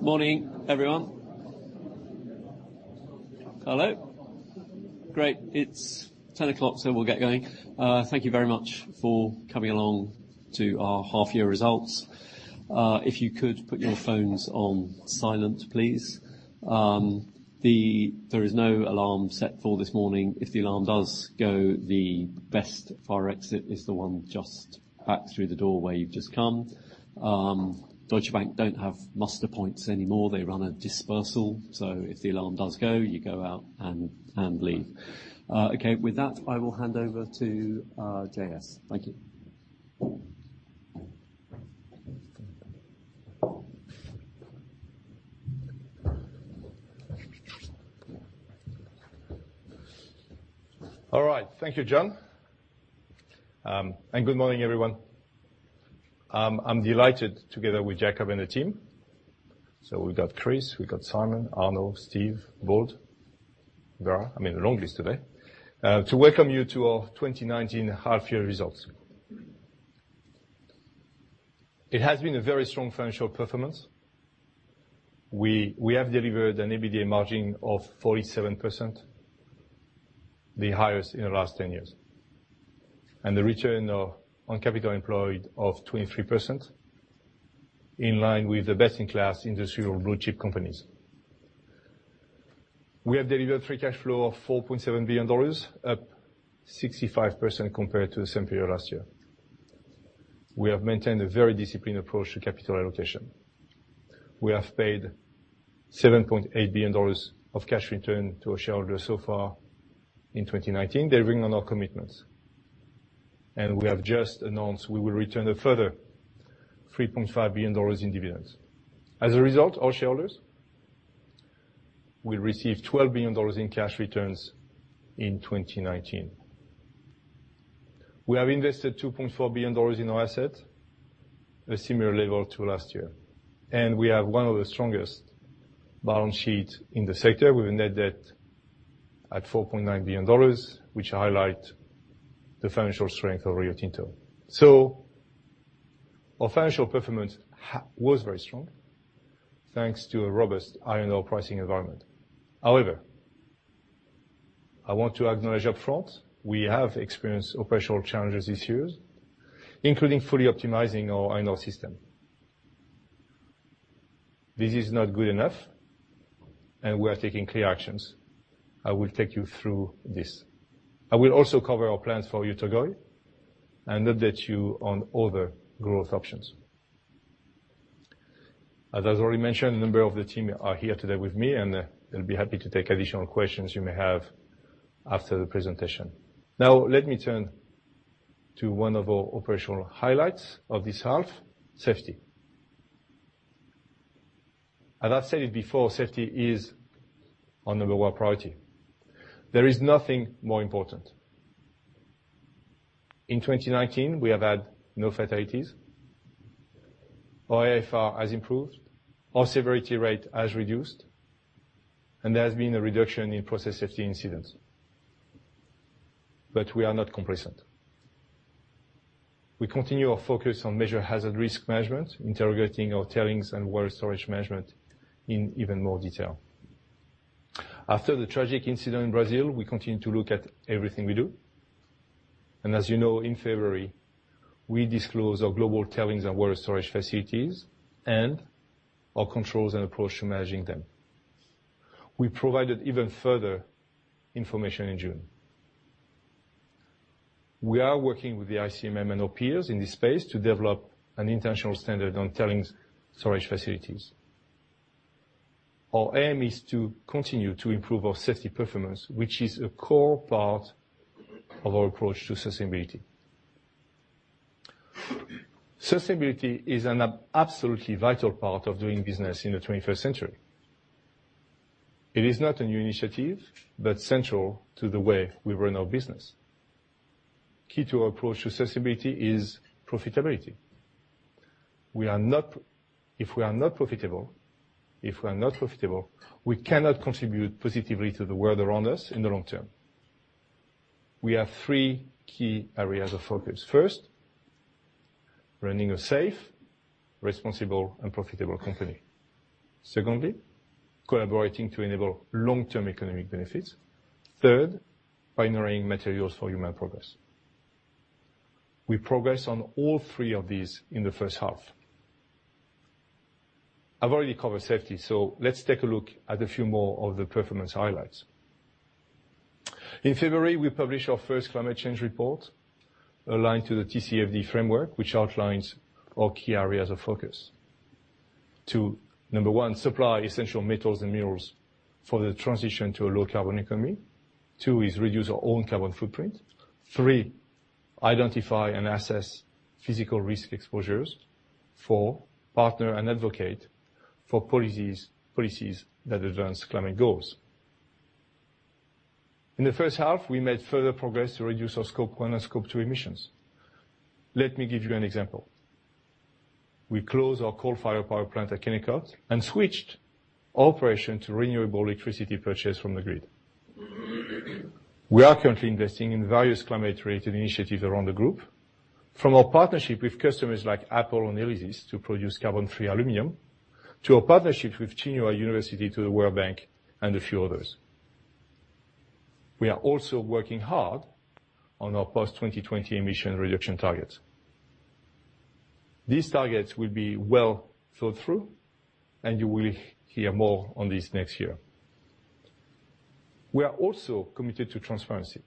Morning, everyone. Hello. Great. It's 10:00. We'll get going. Thank you very much for coming along to our half-year results. If you could put your phones on silent, please. There is no alarm set for this morning. If the alarm does go, the best fire exit is the one just back through the door where you've just come. Deutsche Bank don't have muster points anymore. They run a dispersal. If the alarm does go, you go out and leave. Okay. With that, I will hand over to J-S. Thank you. All right. Thank you, John. Good morning everyone. I'm delighted together with Jakob and the team. We've got Chris, we've got Simon, Arnaud, Steve, Bold. There are, I mean, a long list today, to welcome you to our 2019 half-year results. It has been a very strong financial performance. We have delivered an EBITDA margin of 47%, the highest in the last 10 years. The return on capital employed of 23%, in line with the best-in-class industry of blue-chip companies. We have delivered free cash flow of $4.7 billion, up 65% compared to the same period last year. We have maintained a very disciplined approach to capital allocation. We have paid $7.8 billion of cash return to our shareholders so far in 2019, delivering on our commitments. We have just announced we will return a further $3.5 billion in dividends. Our shareholders will receive $12 billion in cash returns in 2019. We have invested $2.4 billion in our asset, a similar level to last year. We have one of the strongest balance sheets in the sector with a net debt at $4.9 billion, which highlight the financial strength of Rio Tinto. Our financial performance was very strong, thanks to a robust iron ore pricing environment. However, I want to acknowledge upfront, we have experienced operational challenges this year, including fully optimizing our iron ore system. This is not good enough, and we are taking clear actions. I will take you through this. I will also cover our plans for Oyu Tolgoi and update you on other growth options. As I already mentioned, a number of the team are here today with me, and they'll be happy to take additional questions you may have after the presentation. Let me turn to one of our operational highlights of this half, safety. As I've said it before, safety is our number one priority. There is nothing more important. In 2019, we have had no fatalities. Our AIFR has improved. Our severity rate has reduced. There has been a reduction in process safety incidents. We are not complacent. We continue our focus on major hazard risk management, interrogating our tailings and water storage management in even more detail. After the tragic incident in Brazil, we continue to look at everything we do. As you know, in February, we disclosed our global tailings and water storage facilities and our controls and approach to managing them. We provided even further information in June. We are working with the ICMM and our peers in this space to develop an international standard on tailings storage facilities. Our aim is to continue to improve our safety performance, which is a core part of our approach to sustainability. Sustainability is an absolutely vital part of doing business in the twenty-first century. It is not a new initiative, but central to the way we run our business. Key to our approach to sustainability is profitability. If we are not profitable, we cannot contribute positively to the world around us in the long term. We have three key areas of focus. First, running a safe, responsible, and profitable company. Secondly, collaborating to enable long-term economic benefits. Third, pioneering materials for human progress. We progress on all three of these in the first half. I've already covered safety, so let's take a look at a few more of the performance highlights. In February, we published our first climate change report, aligned to the TCFD framework, which outlines our key areas of focus. To number one, supply essential metals and minerals for the transition to a low-carbon economy. Two is reduce our own carbon footprint. Three, identify and assess physical risk exposures. Four, partner and advocate for policies that advance climate goals. In the first half, we made further progress to reduce our scope one and scope two emissions. Let me give you an example. We closed our coal-fired power plant at Kennecott and switched operation to renewable electricity purchased from the grid. We are currently investing in various climate-related initiatives around the group, from our partnership with customers like Apple and ELYSIS to produce carbon-free aluminum, to our partnerships with Tsinghua University to the World Bank, and a few others. We are also working hard on our post-2020 emission reduction targets. These targets will be well thought through, and you will hear more on this next year. We are also committed to transparency.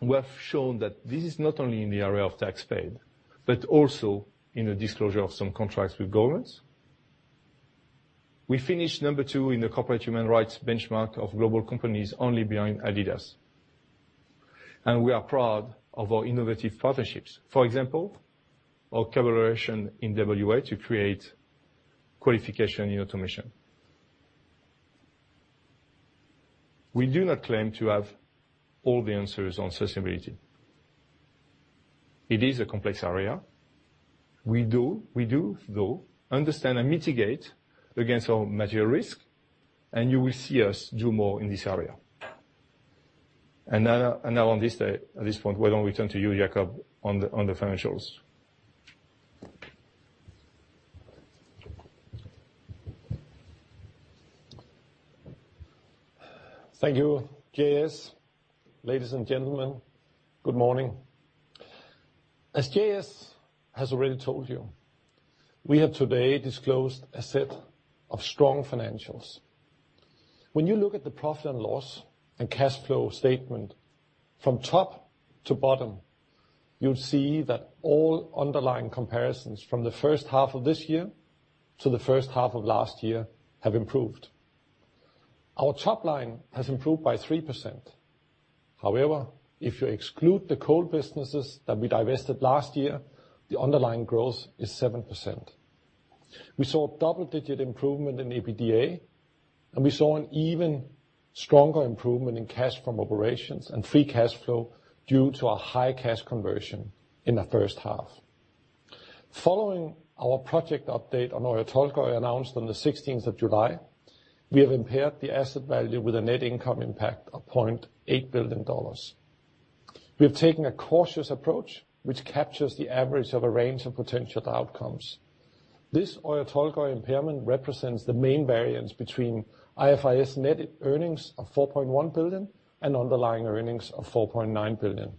We have shown that this is not only in the area of tax paid, but also in the disclosure of some contracts with governments. We finished number one in the corporate human rights benchmark of global companies only behind Adidas, and we are proud of our innovative partnerships. For example, our collaboration in WA to create qualification in automation. We do not claim to have all the answers on sustainability. It is a complex area. We do, though, understand and mitigate against our material risk, and you will see us do more in this area. Now, on this point, why don't we turn to you, Jakob, on the financials. Thank you, J-S. Ladies and gentlemen, good morning. As J-S has already told you, we have today disclosed a set of strong financials. When you look at the profit and loss and cash flow statement from top to bottom, you'll see that all underlying comparisons from the first half of this year to the first half of last year have improved. Our top line has improved by 3%. However, if you exclude the coal businesses that we divested last year, the underlying growth is 7%. We saw double-digit improvement in EBITDA, and we saw an even stronger improvement in cash from operations and free cash flow due to a high cash conversion in the first half. Following our project update on Oyu Tolgoi announced on the 16th of July, we have impaired the asset value with a net income impact of $8 billion. We have taken a cautious approach, which captures the average of a range of potential outcomes. This Oyu Tolgoi impairment represents the main variance between IFRS net earnings of $4.1 billion and underlying earnings of $4.9 billion.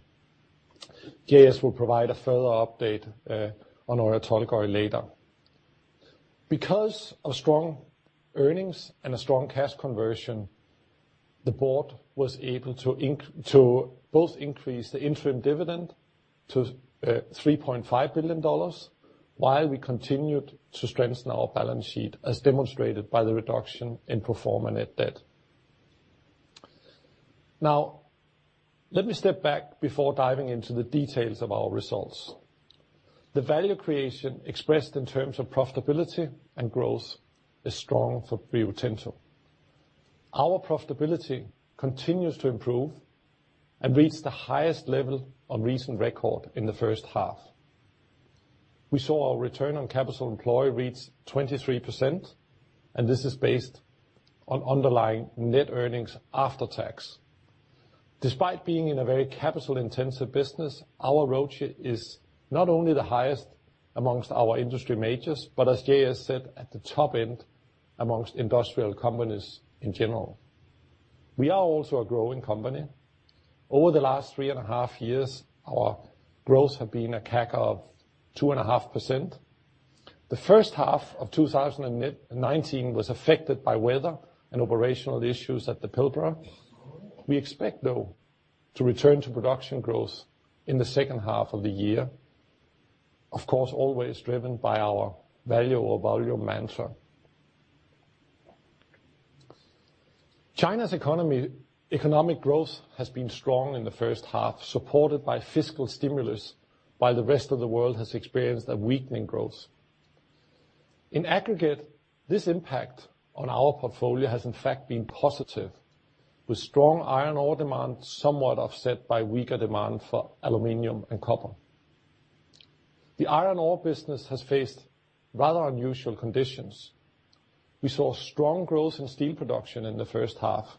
J-S will provide a further update on Oyu Tolgoi later. Because of strong earnings and a strong cash conversion, the board was able to both increase the interim dividend to $3.5 billion while we continued to strengthen our balance sheet, as demonstrated by the reduction in pro forma net debt. Now, let me step back before diving into the details of our results. The value creation expressed in terms of profitability and growth is strong for Rio Tinto. Our profitability continues to improve and reached the highest level on recent record in the first half. We saw our return on capital employed reach 23%. This is based on underlying net earnings after tax. Despite being in a very capital-intensive business, our return is not only the highest amongst our industry majors, but as J-S said, at the top end amongst industrial companies in general. We are also a growing company. Over the last three and a half years, our growth have been a CAGR of 2.5%. The first half of 2019 was affected by weather and operational issues at the Pilbara. We expect, though, to return to production growth in the second half of the year. Of course, always driven by our value or volume mantra. China's economic growth has been strong in the first half, supported by fiscal stimulus while the rest of the world has experienced a weakening growth. In aggregate, this impact on our portfolio has in fact been positive, with strong iron ore demand somewhat offset by weaker demand for aluminum and copper. The iron ore business has faced rather unusual conditions. We saw strong growth in steel production in the first half.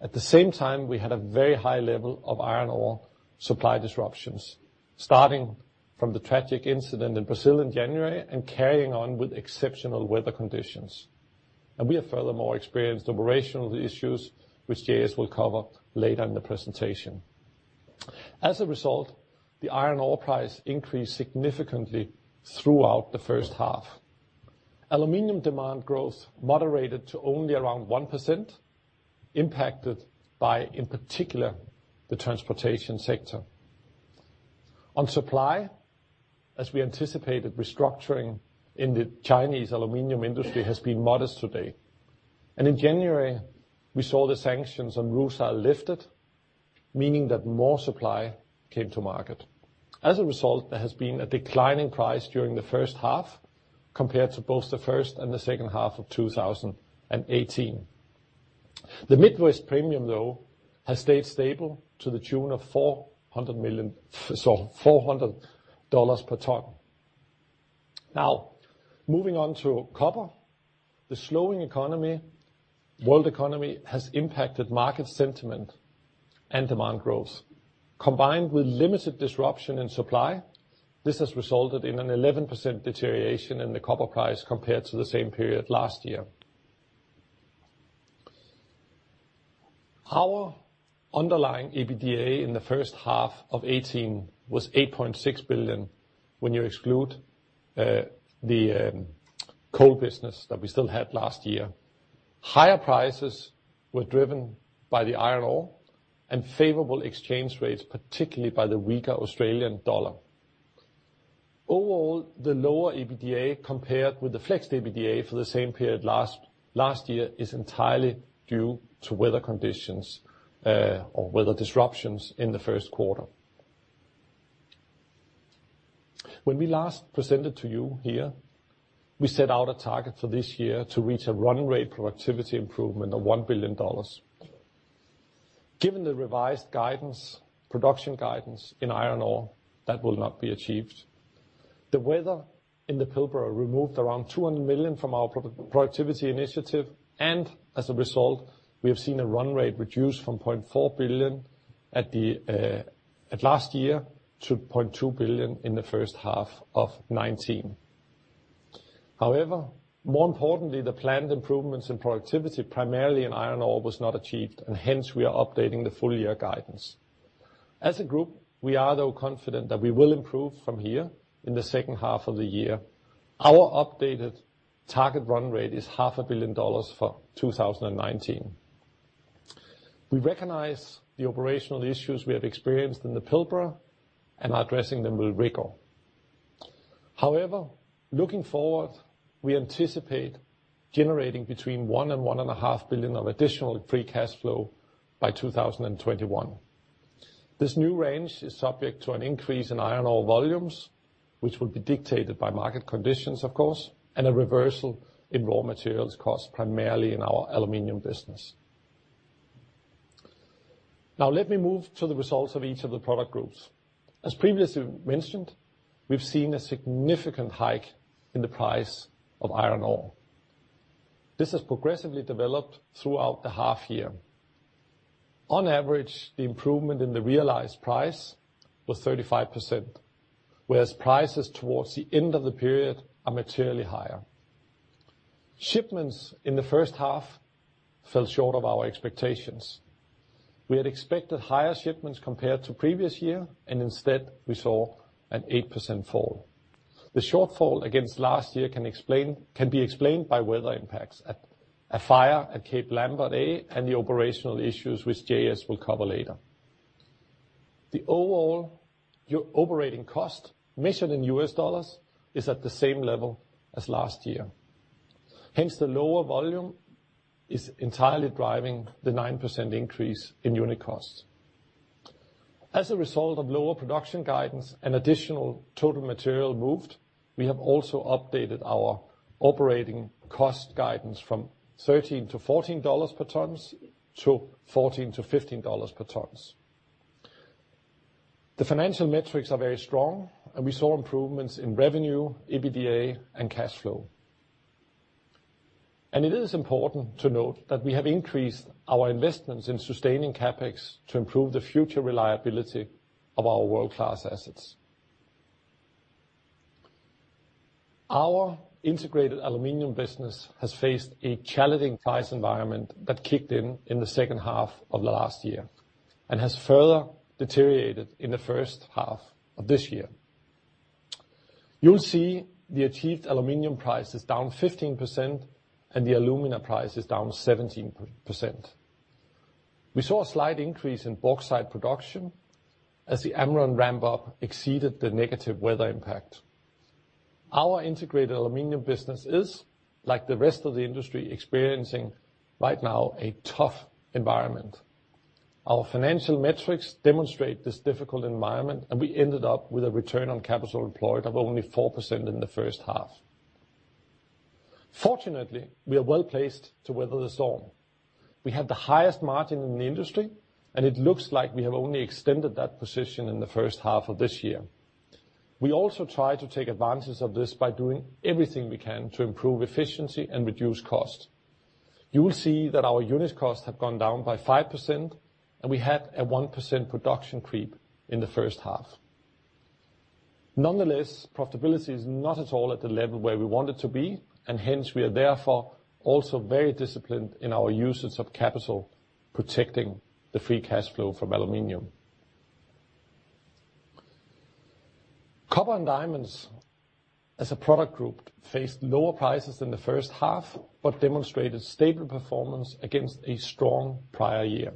At the same time, we had a very high level of iron ore supply disruptions, starting from the tragic incident in Brazil in January and carrying on with exceptional weather conditions. We have furthermore experienced operational issues which J-S will cover later in the presentation. As a result, the iron ore price increased significantly throughout the first half. Aluminum demand growth moderated to only around 1%, impacted by, in particular, the transportation sector. On supply, as we anticipated, restructuring in the Chinese aluminum industry has been modest to date. In January, we saw the sanctions on Rusal lifted, meaning that more supply came to market. There has been a decline in price during the first half compared to both the first and the second half of 2018. The Midwest premium, though, has stayed stable to the tune of $400 per ton. Moving on to copper. The slowing world economy has impacted market sentiment and demand growth. Combined with limited disruption in supply, this has resulted in an 11% deterioration in the copper price compared to the same period last year. Our underlying EBITDA in the first half of 2018 was $8.6 billion, when you exclude the coal business that we still had last year. Higher prices were driven by the iron ore and favorable exchange rates, particularly by the weaker Australian dollar. Overall, the lower EBITDA compared with the flexed EBITDA for the same period last year is entirely due to weather conditions or weather disruptions in the first quarter. When we last presented to you here, we set out a target for this year to reach a run rate productivity improvement of $1 billion. Given the revised production guidance in iron ore, that will not be achieved. The weather in the Pilbara removed around $200 million from our productivity initiative, and as a result, we have seen a run rate reduce from $0.4 billion at last year to $0.2 billion in the first half of 2019. However, more importantly, the planned improvements in productivity, primarily in iron ore, was not achieved, and hence we are updating the full year guidance. As a group, we are though confident that we will improve from here in the second half of the year. Our updated target run rate is $0.5 billion for 2019. We recognize the operational issues we have experienced in the Pilbara and are addressing them with rigor. Looking forward, we anticipate generating between $1 billion and $1.5 billion of additional free cash flow by 2021. This new range is subject to an increase in iron ore volumes, which will be dictated by market conditions, of course, and a reversal in raw materials cost, primarily in our aluminum business. Let me move to the results of each of the product groups. As previously mentioned, we've seen a significant hike in the price of iron ore. This has progressively developed throughout the half year. On average, the improvement in the realized price was 35%, whereas prices towards the end of the period are materially higher. Shipments in the first half fell short of our expectations. We had expected higher shipments compared to previous year, instead we saw an 8% fall. The shortfall against last year can be explained by weather impacts, a fire at Cape Lambert A, and the operational issues which J-S will cover later. The overall operating cost measured in US dollars is at the same level as last year. Hence, the lower volume is entirely driving the 9% increase in unit costs. As a result of lower production guidance and additional total material moved, we have also updated our operating cost guidance from $13-$14 per tons to $14-$15 per tons. The financial metrics are very strong, and we saw improvements in revenue, EBITDA, and cash flow. It is important to note that we have increased our investments in sustaining CapEx to improve the future reliability of our world-class assets. Our integrated aluminum business has faced a challenging price environment that kicked in in the second half of last year, and has further deteriorated in the first half of this year. You'll see the achieved aluminum price is down 15% and the alumina price is down 17%. We saw a slight increase in bauxite production as the Amrun ramp-up exceeded the negative weather impact. Our integrated aluminum business is, like the rest of the industry, experiencing right now a tough environment. Our financial metrics demonstrate this difficult environment, and we ended up with a return on capital employed of only 4% in the first half. Fortunately, we are well-placed to weather the storm. We had the highest margin in the industry, and it looks like we have only extended that position in the first half of this year. We also try to take advantage of this by doing everything we can to improve efficiency and reduce cost. You will see that our unit costs have gone down by 5% and we had a 1% production creep in the first half. Nonetheless, profitability is not at all at the level where we want it to be, and hence we are therefore also very disciplined in our usage of capital, protecting the free cash flow from aluminum. Copper and diamonds as a product group faced lower prices in the first half, but demonstrated stable performance against a strong prior year.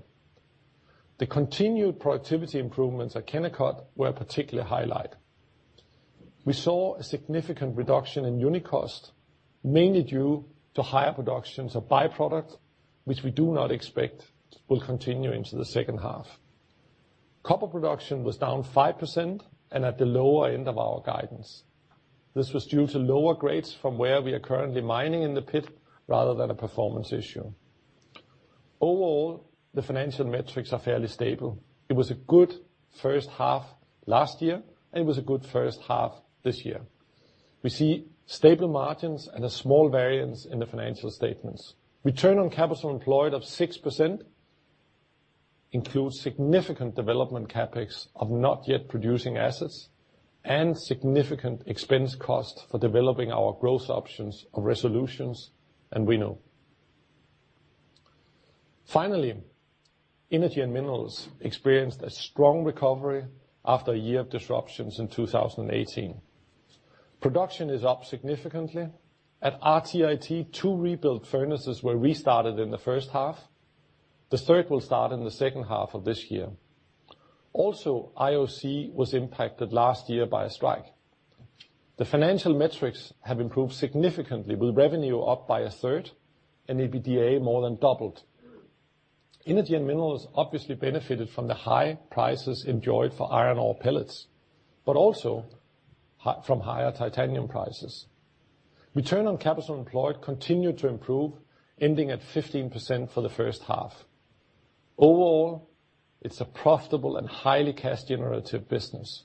The continued productivity improvements at Kennecott were a particular highlight. We saw a significant reduction in unit cost, mainly due to higher productions of by-product, which we do not expect will continue into the second half. Copper production was down 5% and at the lower end of our guidance. This was due to lower grades from where we are currently mining in the pit rather than a performance issue. Overall, the financial metrics are fairly stable. It was a good first half last year, and it was a good first half this year. We see stable margins and a small variance in the financial statements. Return on capital employed of 6% includes significant development CapEx of not yet producing assets and significant expense costs for developing our growth options of Resolution's and Winu. Energy and Minerals experienced a strong recovery after a year of disruptions in 2018. Production is up significantly. At RTIT, two rebuilt furnaces were restarted in the first half. The third will start in the second half of this year. IOC was impacted last year by a strike. The financial metrics have improved significantly, with revenue up by a third and EBITDA more than doubled. Energy and Minerals obviously benefited from the high prices enjoyed for iron ore pellets, also from higher titanium prices. Return on capital employed continued to improve, ending at 15% for the first half. Overall, it's a profitable and highly cash-generative business.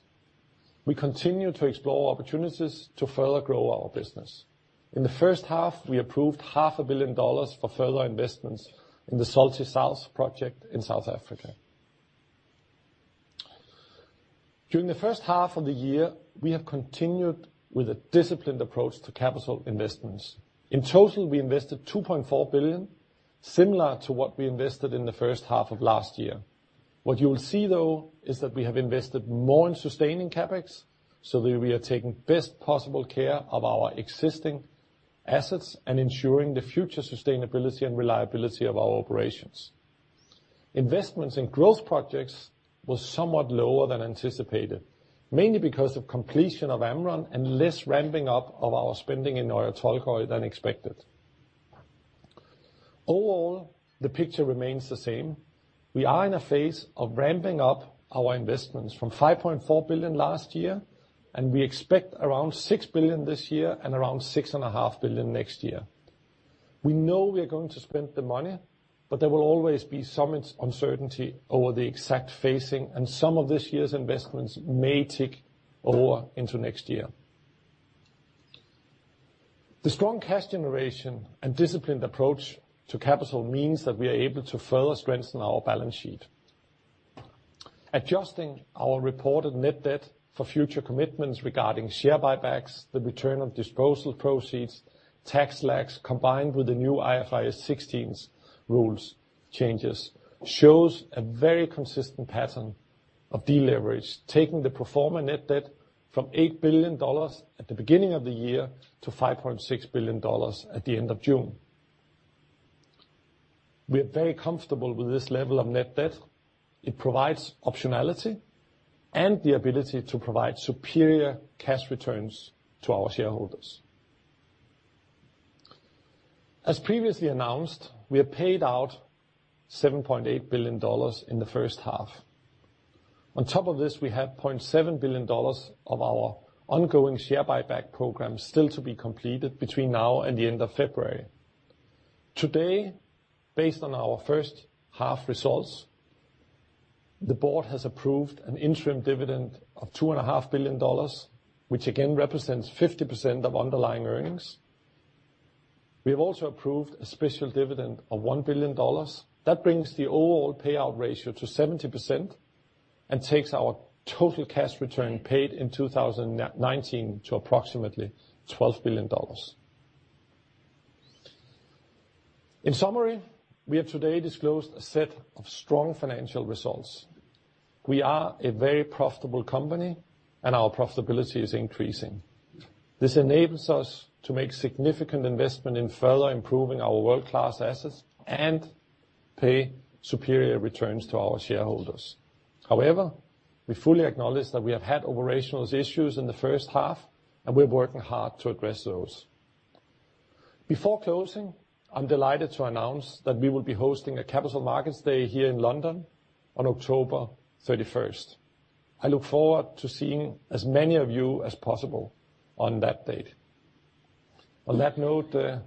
We continue to explore opportunities to further grow our business. In the first half, we approved half a billion dollars for further investments in the Zulti South project in South Africa. During the first half of the year, we have continued with a disciplined approach to capital investments. In total, we invested $2.4 billion, similar to what we invested in the first half of last year. What you will see, though, is that we have invested more in sustaining CapEx, that we are taking best possible care of our existing assets and ensuring the future sustainability and reliability of our operations. Investments in growth projects was somewhat lower than anticipated, mainly because of completion of Amrun and less ramping up of our spending in Oyu Tolgoi than expected. The picture remains the same. We are in a phase of ramping up our investments from $5.4 billion last year, we expect around $6 billion this year around six and a half billion next year. We know we are going to spend the money, there will always be some uncertainty over the exact phasing, some of this year's investments may tick over into next year. The strong cash generation and disciplined approach to capital means that we are able to further strengthen our balance sheet. Adjusting our reported net debt for future commitments regarding share buybacks, the return of disposal proceeds, tax lags, combined with the new IFRS 16 rules changes, shows a very consistent pattern of deleverage, taking the pro forma net debt from $8 billion at the beginning of the year to $5.6 billion at the end of June. We are very comfortable with this level of net debt. It provides optionality and the ability to provide superior cash returns to our shareholders. As previously announced, we have paid out $7.8 billion in the first half. On top of this, we have $0.7 billion of our ongoing share buyback program still to be completed between now and the end of February. Today, based on our first half results, the board has approved an interim dividend of $2.5 billion, which again represents 50% of underlying earnings. We have also approved a special dividend of $1 billion. That brings the overall payout ratio to 70% and takes our total cash return paid in 2019 to approximately $12 billion. In summary, we have today disclosed a set of strong financial results. We are a very profitable company, and our profitability is increasing. This enables us to make significant investment in further improving our world-class assets and pay superior returns to our shareholders. We fully acknowledge that we have had operational issues in the first half, and we're working hard to address those. Before closing, I'm delighted to announce that we will be hosting a Capital Markets Day here in London on October 31st. I look forward to seeing as many of you as possible on that date. On that note,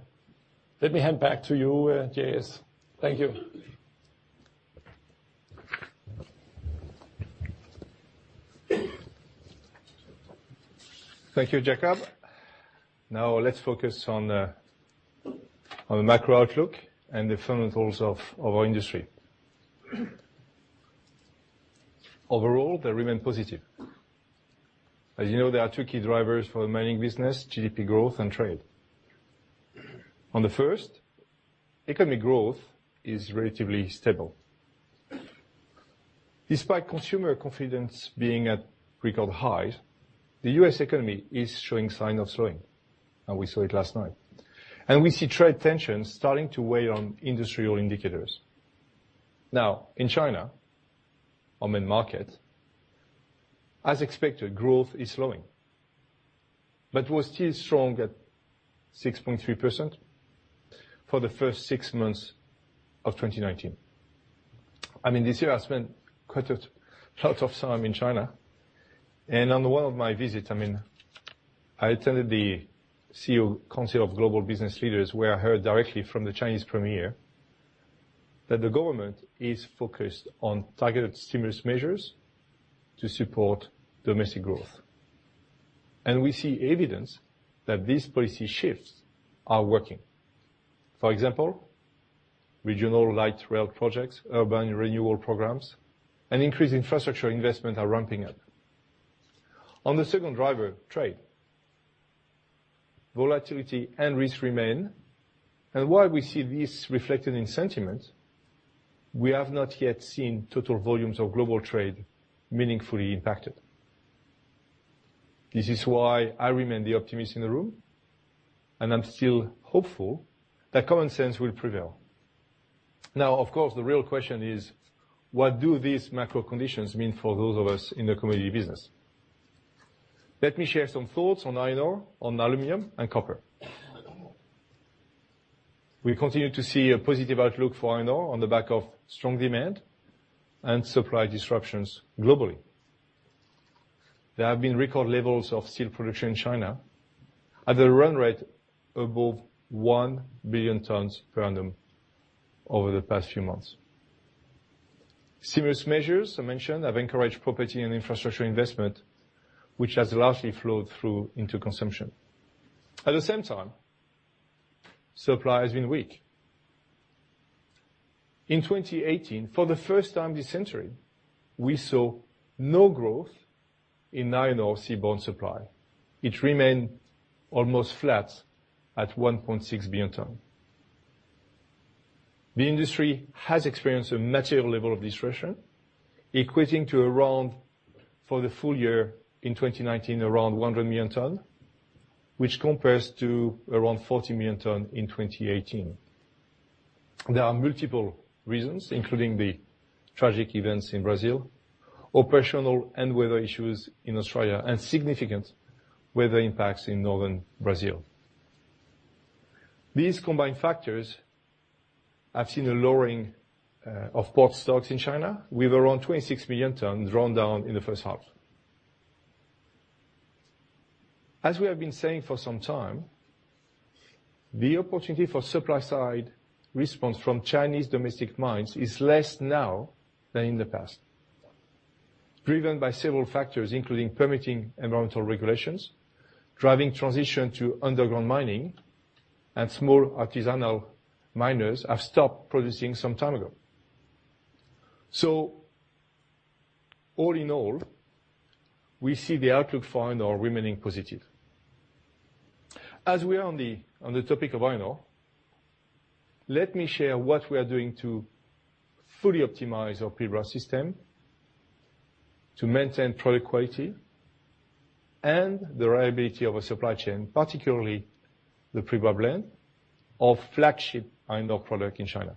let me hand back to you, J-S. Thank you. Thank you, Jakob. Now let's focus on the macro outlook and the fundamentals of our industry. Overall, they remain positive. As you know, there are two key drivers for the mining business, GDP growth and trade. On the first, economic growth is relatively stable. Despite consumer confidence being at record highs, the U.S. economy is showing sign of slowing, and we saw it last night. We see trade tensions starting to weigh on industrial indicators. Now, in China, our main market, as expected, growth is slowing, but was still strong at 6.3% for the first six months of 2019. This year, I spent quite a lot of time in China, and on one of my visits, I attended the Council of Global Business Leaders, where I heard directly from the Chinese premier that the government is focused on targeted stimulus measures to support domestic growth. We see evidence that these policy shifts are working. For example, regional light rail projects, urban renewal programs, and increased infrastructure investment are ramping up. On the second driver, trade. Volatility and risk remain, and while we see this reflected in sentiment, we have not yet seen total volumes of global trade meaningfully impacted. This is why I remain the optimist in the room, and I'm still hopeful that common sense will prevail. Of course, the real question is, what do these macro conditions mean for those of us in the commodity business? Let me share some thoughts on iron ore, on aluminum, and copper. We continue to see a positive outlook for iron ore on the back of strong demand and supply disruptions globally. There have been record levels of steel production in China at a run rate above 1 billion tons per annum over the past few months. Stimulus measures, I mentioned, have encouraged property and infrastructure investment, which has largely flowed through into consumption. At the same time, supply has been weak. In 2018, for the first time this century, we saw no growth in iron ore seaborne supply. It remained almost flat at 1.6 billion ton. The industry has experienced a material level of disruption, equating to around, for the full year in 2019, around 100 million ton, which compares to around 40 million ton in 2018. There are multiple reasons, including the tragic events in Brazil, operational and weather issues in Australia, and significant weather impacts in Northern Brazil. These combined factors have seen a lowering of port stocks in China, with around 26 million tons drawn down in the first half. As we have been saying for some time, the opportunity for supply side response from Chinese domestic mines is less now than in the past. Driven by several factors, including permitting environmental regulations, driving transition to underground mining, and small artisanal miners have stopped producing some time ago. All in all, we see the outlook for iron ore remaining positive. As we are on the topic of iron ore, let me share what we are doing to fully optimize our Pilbara system to maintain product quality and the reliability of our supply chain, particularly the Pilbara Blend, our flagship iron ore product in China.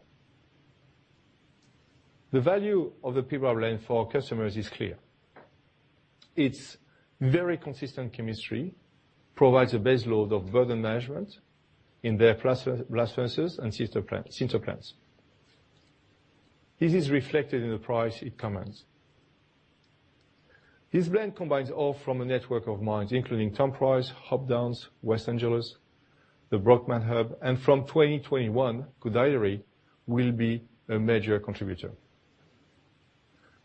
The value of the Pilbara Blend for our customers is clear. Its very consistent chemistry provides a base load of burden management in their blast furnaces and sinter plants. This is reflected in the price it commands. This blend combines ore from a network of mines, including Tom Price, Hope Downs, West Angelas, the Brockman hub, and from 2021, Koodaideri will be a major contributor.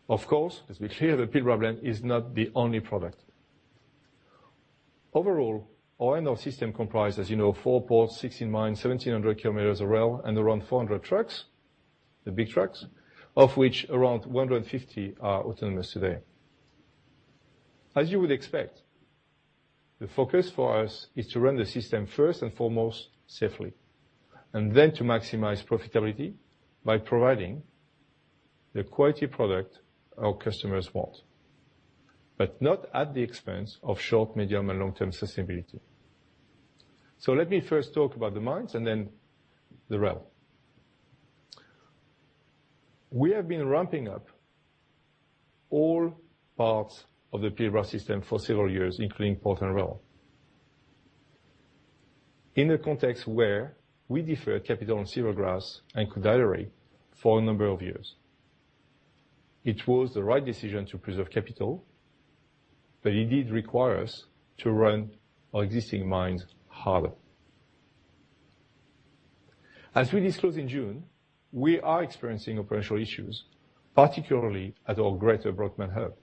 As we hear, the Pilbara Blend is not the only product. Overall, our iron ore system comprises four ports, 16 mines, 1,700km of rail and around 400 trucks, the big trucks, of which around 150 are autonomous today. As you would expect, the focus for us is to run the system first and foremost safely, and then to maximize profitability by providing the quality product our customers want, but not at the expense of short, medium, and long-term sustainability. Let me first talk about the mines and then the rail. We have been ramping up all parts of the Pilbara system for several years, including port and rail, in a context where we deferred capital on Silvergrass and Koodaideri for a number of years. It was the right decision to preserve capital, but it did require us to run our existing mines harder. As we disclosed in June, we are experiencing operational issues, particularly at our Greater Brockman Hub.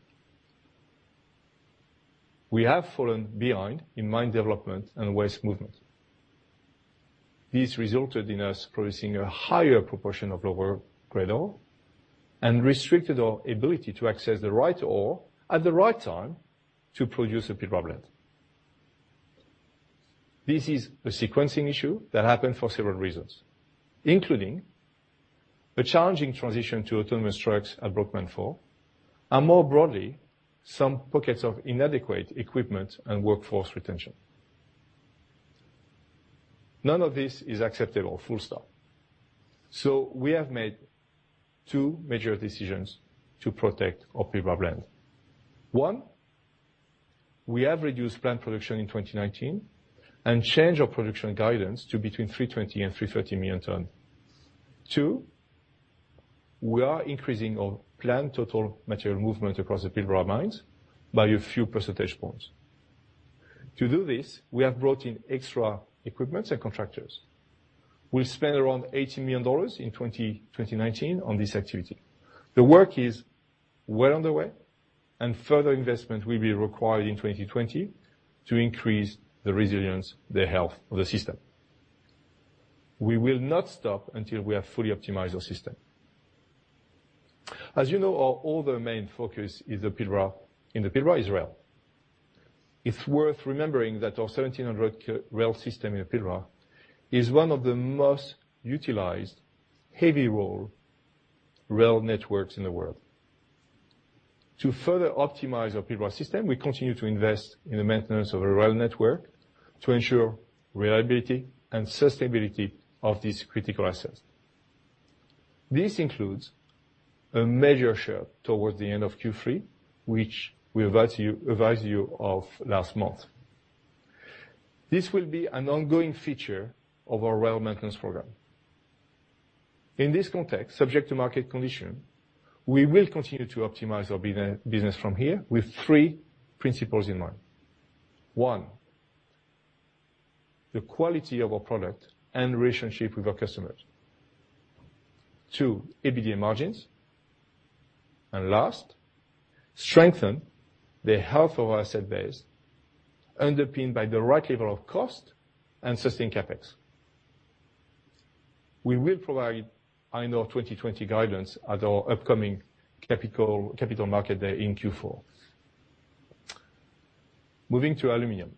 We have fallen behind in mine development and waste movement. This resulted in us producing a higher proportion of lower-grade ore and restricted our ability to access the right ore at the right time to produce a Pilbara Blend. This is a sequencing issue that happened for several reasons, including the challenging transition to autonomous trucks at Brockman 4, and more broadly, some pockets of inadequate equipment and workforce retention. None of this is acceptable. Full stop. We have made two major decisions to protect our Pilbara brand. One, we have reduced plant production in 2019 and changed our production guidance to between 320 and 330 million ton. Two, we are increasing our plant total material movement across the Pilbara mines by a few percentage points. To do this, we have brought in extra equipment and contractors. We'll spend around $80 million in 2019 on this activity. The work is well underway, and further investment will be required in 2020 to increase the resilience, the health of the system. We will not stop until we have fully optimized our system. As you know, our other main focus is in the Pilbara is rail. It's worth remembering that our 1,700 rail system in Pilbara is one of the most utilized heavy rail networks in the world. To further optimize our Pilbara system, we continue to invest in the maintenance of a rail network to ensure reliability and sustainability of this critical asset. This includes a major shift towards the end of Q3, which we advised you of last month. This will be an ongoing feature of our rail maintenance program. In this context, subject to market condition, we will continue to optimize our business from here with three principles in mind. One, the quality of our product and relationship with our customers. Two, EBITDA margins, and last, strengthen the health of our asset base, underpinned by the right level of cost and sustained CapEx. We will provide iron ore 2020 guidance at our upcoming capital market day in Q4. Moving to aluminum.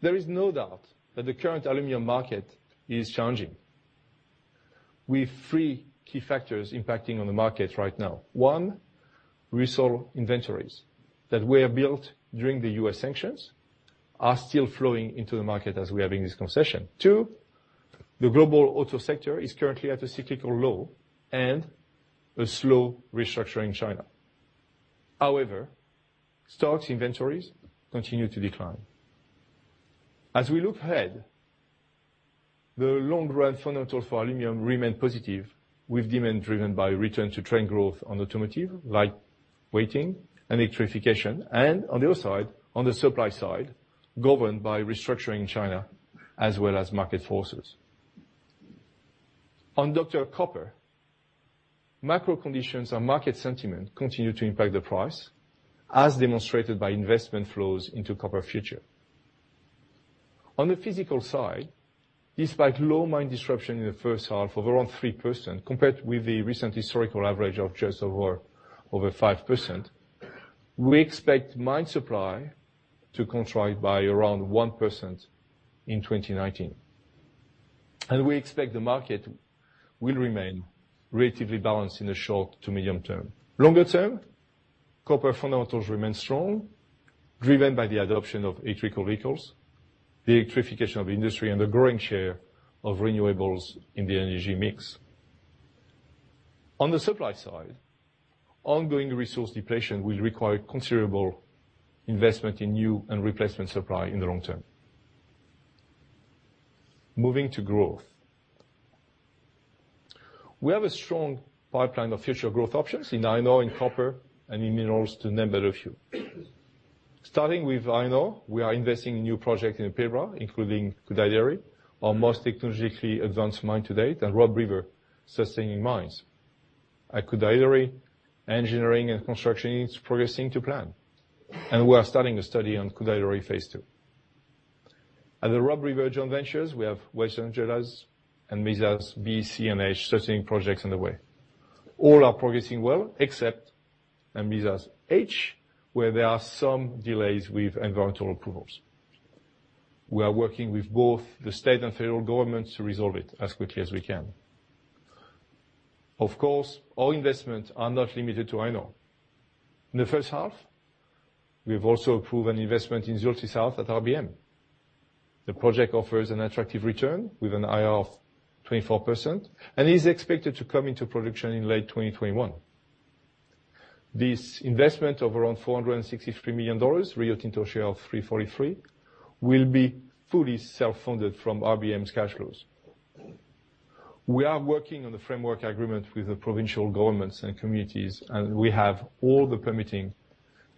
There is no doubt that the current aluminum market is changing, with three key factors impacting on the market right now. One, Rusal inventories that were built during the U.S. sanctions are still flowing into the market as we are having this discussion. Two, the global auto sector is currently at a cyclical low and a slow restructure in China. Stocks inventories continue to decline. As we look ahead, the long-run fundamentals for aluminum remain positive, with demand driven by return to trend growth on automotive, light weighting, electrification, and on the other side, on the supply side, governed by restructuring China as well as market forces. On Dr. Copper, macro conditions and market sentiment continue to impact the price, as demonstrated by investment flows into copper futures. On the physical side, despite low mine disruption in the first half of around 3%, compared with the recent historical average of just over 5%, we expect mine supply to contract by around 1% in 2019. We expect the market will remain relatively balanced in the short to medium term. Longer term, copper fundamentals remain strong, driven by the adoption of electric vehicles, the electrification of industry, and the growing share of renewables in the energy mix. On the supply side, ongoing resource depletion will require considerable investment in new and replacement supply in the long term. Moving to growth. We have a strong pipeline of future growth options in iron ore, in copper, and in minerals to name but a few. Starting with iron ore, we are investing in new projects in the Pilbara, including Koodaideri, our most technologically advanced mine to date, and Robe River sustaining mines. At Koodaideri, engineering and construction is progressing to plan, and we are starting a study on Koodaideri phase two. Other Robe River joint ventures, we have West Angelas and Mesa B, C, and H sustaining projects underway. All are progressing well except at Mesa H, where there are some delays with environmental approvals. We are working with both the state and federal governments to resolve it as quickly as we can. Of course, all investments are not limited to iron ore. In the first half, we have also approved an investment in Zulti South at RBM. The project offers an attractive return with an IRR of 24% and is expected to come into production in late 2021. This investment of around $463 million, Rio Tinto share of $343, will be fully self-funded from RBM's cash flows. We are working on the framework agreement with the provincial governments and communities, we have all the permitting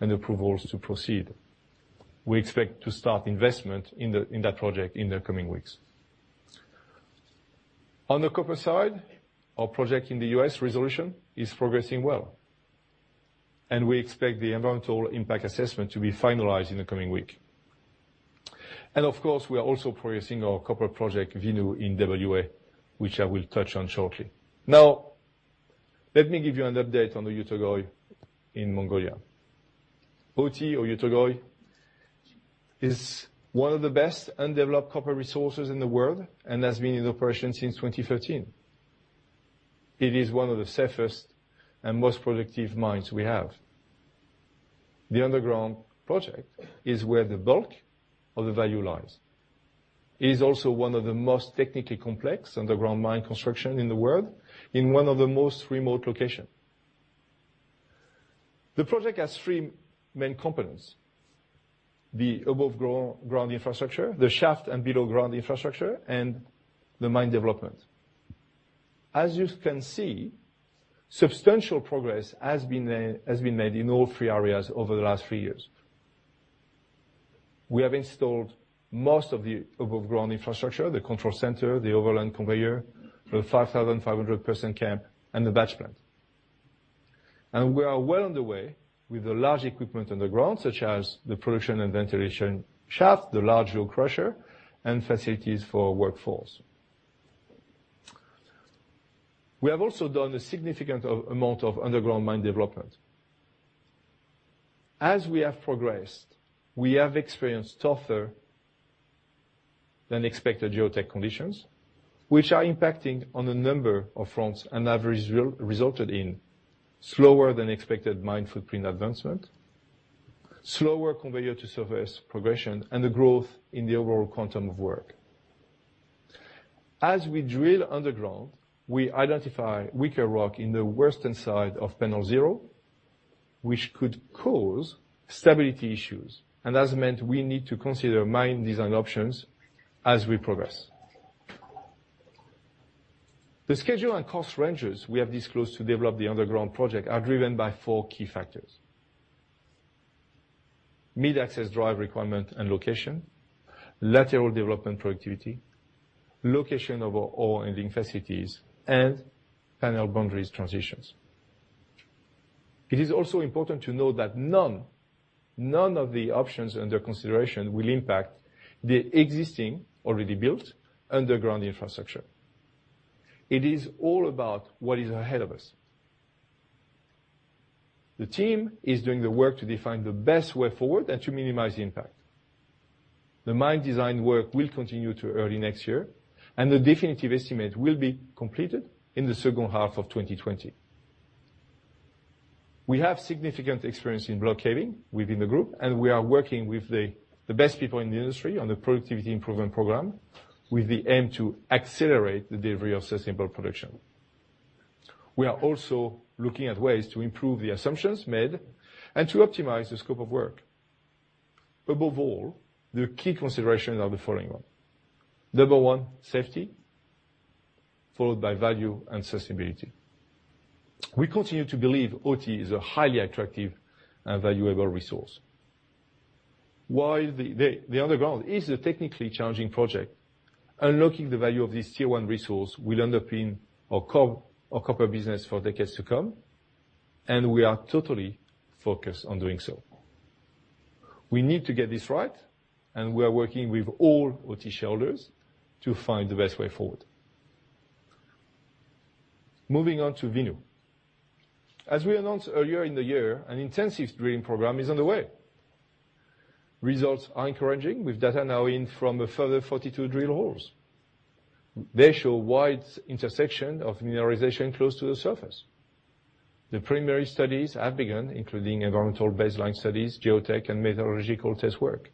and approvals to proceed. We expect to start investment in that project in the coming weeks. On the copper side, our project in the U.S., Resolution, is progressing well, and we expect the environmental impact assessment to be finalized in the coming week. Of course, we are also progressing our copper project, Winu, in W.A., which I will touch on shortly. Let me give you an update on the Oyu Tolgoi in Mongolia. OT or Oyu Tolgoi is one of the best undeveloped copper resources in the world and has been in operation since 2013. It is one of the safest and most productive mines we have. The underground project is where the bulk of the value lies. It is also one of the most technically complex underground mine construction in the world, in one of the most remote location. The project has three main components. The above-ground infrastructure, the shaft and below-ground infrastructure, and the mine development. As you can see, substantial progress has been made in all three areas over the last few years. We have installed most of the above-ground infrastructure, the control center, the overland conveyor, the 5,500-person camp, and the batch plant. We are well on the way with the large equipment on the ground, such as the production and ventilation shaft, the large ore crusher, and facilities for workforce. We have also done a significant amount of underground mine development. As we have progressed, we have experienced tougher-than-expected geotech conditions, which are impacting on the number of fronts and have resulted in slower-than-expected mine footprint advancement, slower conveyor to surface progression, and the growth in the overall quantum of work. As we drill underground, we identify weaker rock in the western side of Panel 0, which could cause stability issues. That has meant we need to consider mine design options as we progress. The schedule and cost ranges we have disclosed to develop the underground project are driven by four key factors: mid-access drive requirement and location, lateral development productivity, location of ore and infrastructures, and panel boundaries transitions. It is also important to note that none of the options under consideration will impact the existing, already built, underground infrastructure. It is all about what is ahead of us. The team is doing the work to define the best way forward and to minimize the impact. The mine design work will continue to early next year, and the definitive estimate will be completed in the second half of 2020. We have significant experience in block caving within the group, and we are working with the best people in the industry on the productivity improvement program, with the aim to accelerate the delivery of sustainable production. We are also looking at ways to improve the assumptions made and to optimize the scope of work. Above all, the key considerations are the following ones. Number one, safety, followed by value and sustainability. We continue to believe OT is a highly attractive and valuable resource. While the underground is a technically challenging project, unlocking the value of this tier one resource will underpin our copper business for decades to come. We are totally focused on doing so. We need to get this right. We are working with all OT shareholders to find the best way forward. Moving on to Winu. As we announced earlier in the year, an intensive drilling program is on the way. Results are encouraging, with data now in from a further 42 drill holes. They show wide intersection of mineralization close to the surface. The preliminary studies have begun, including environmental baseline studies, geotech, and metallurgical test work.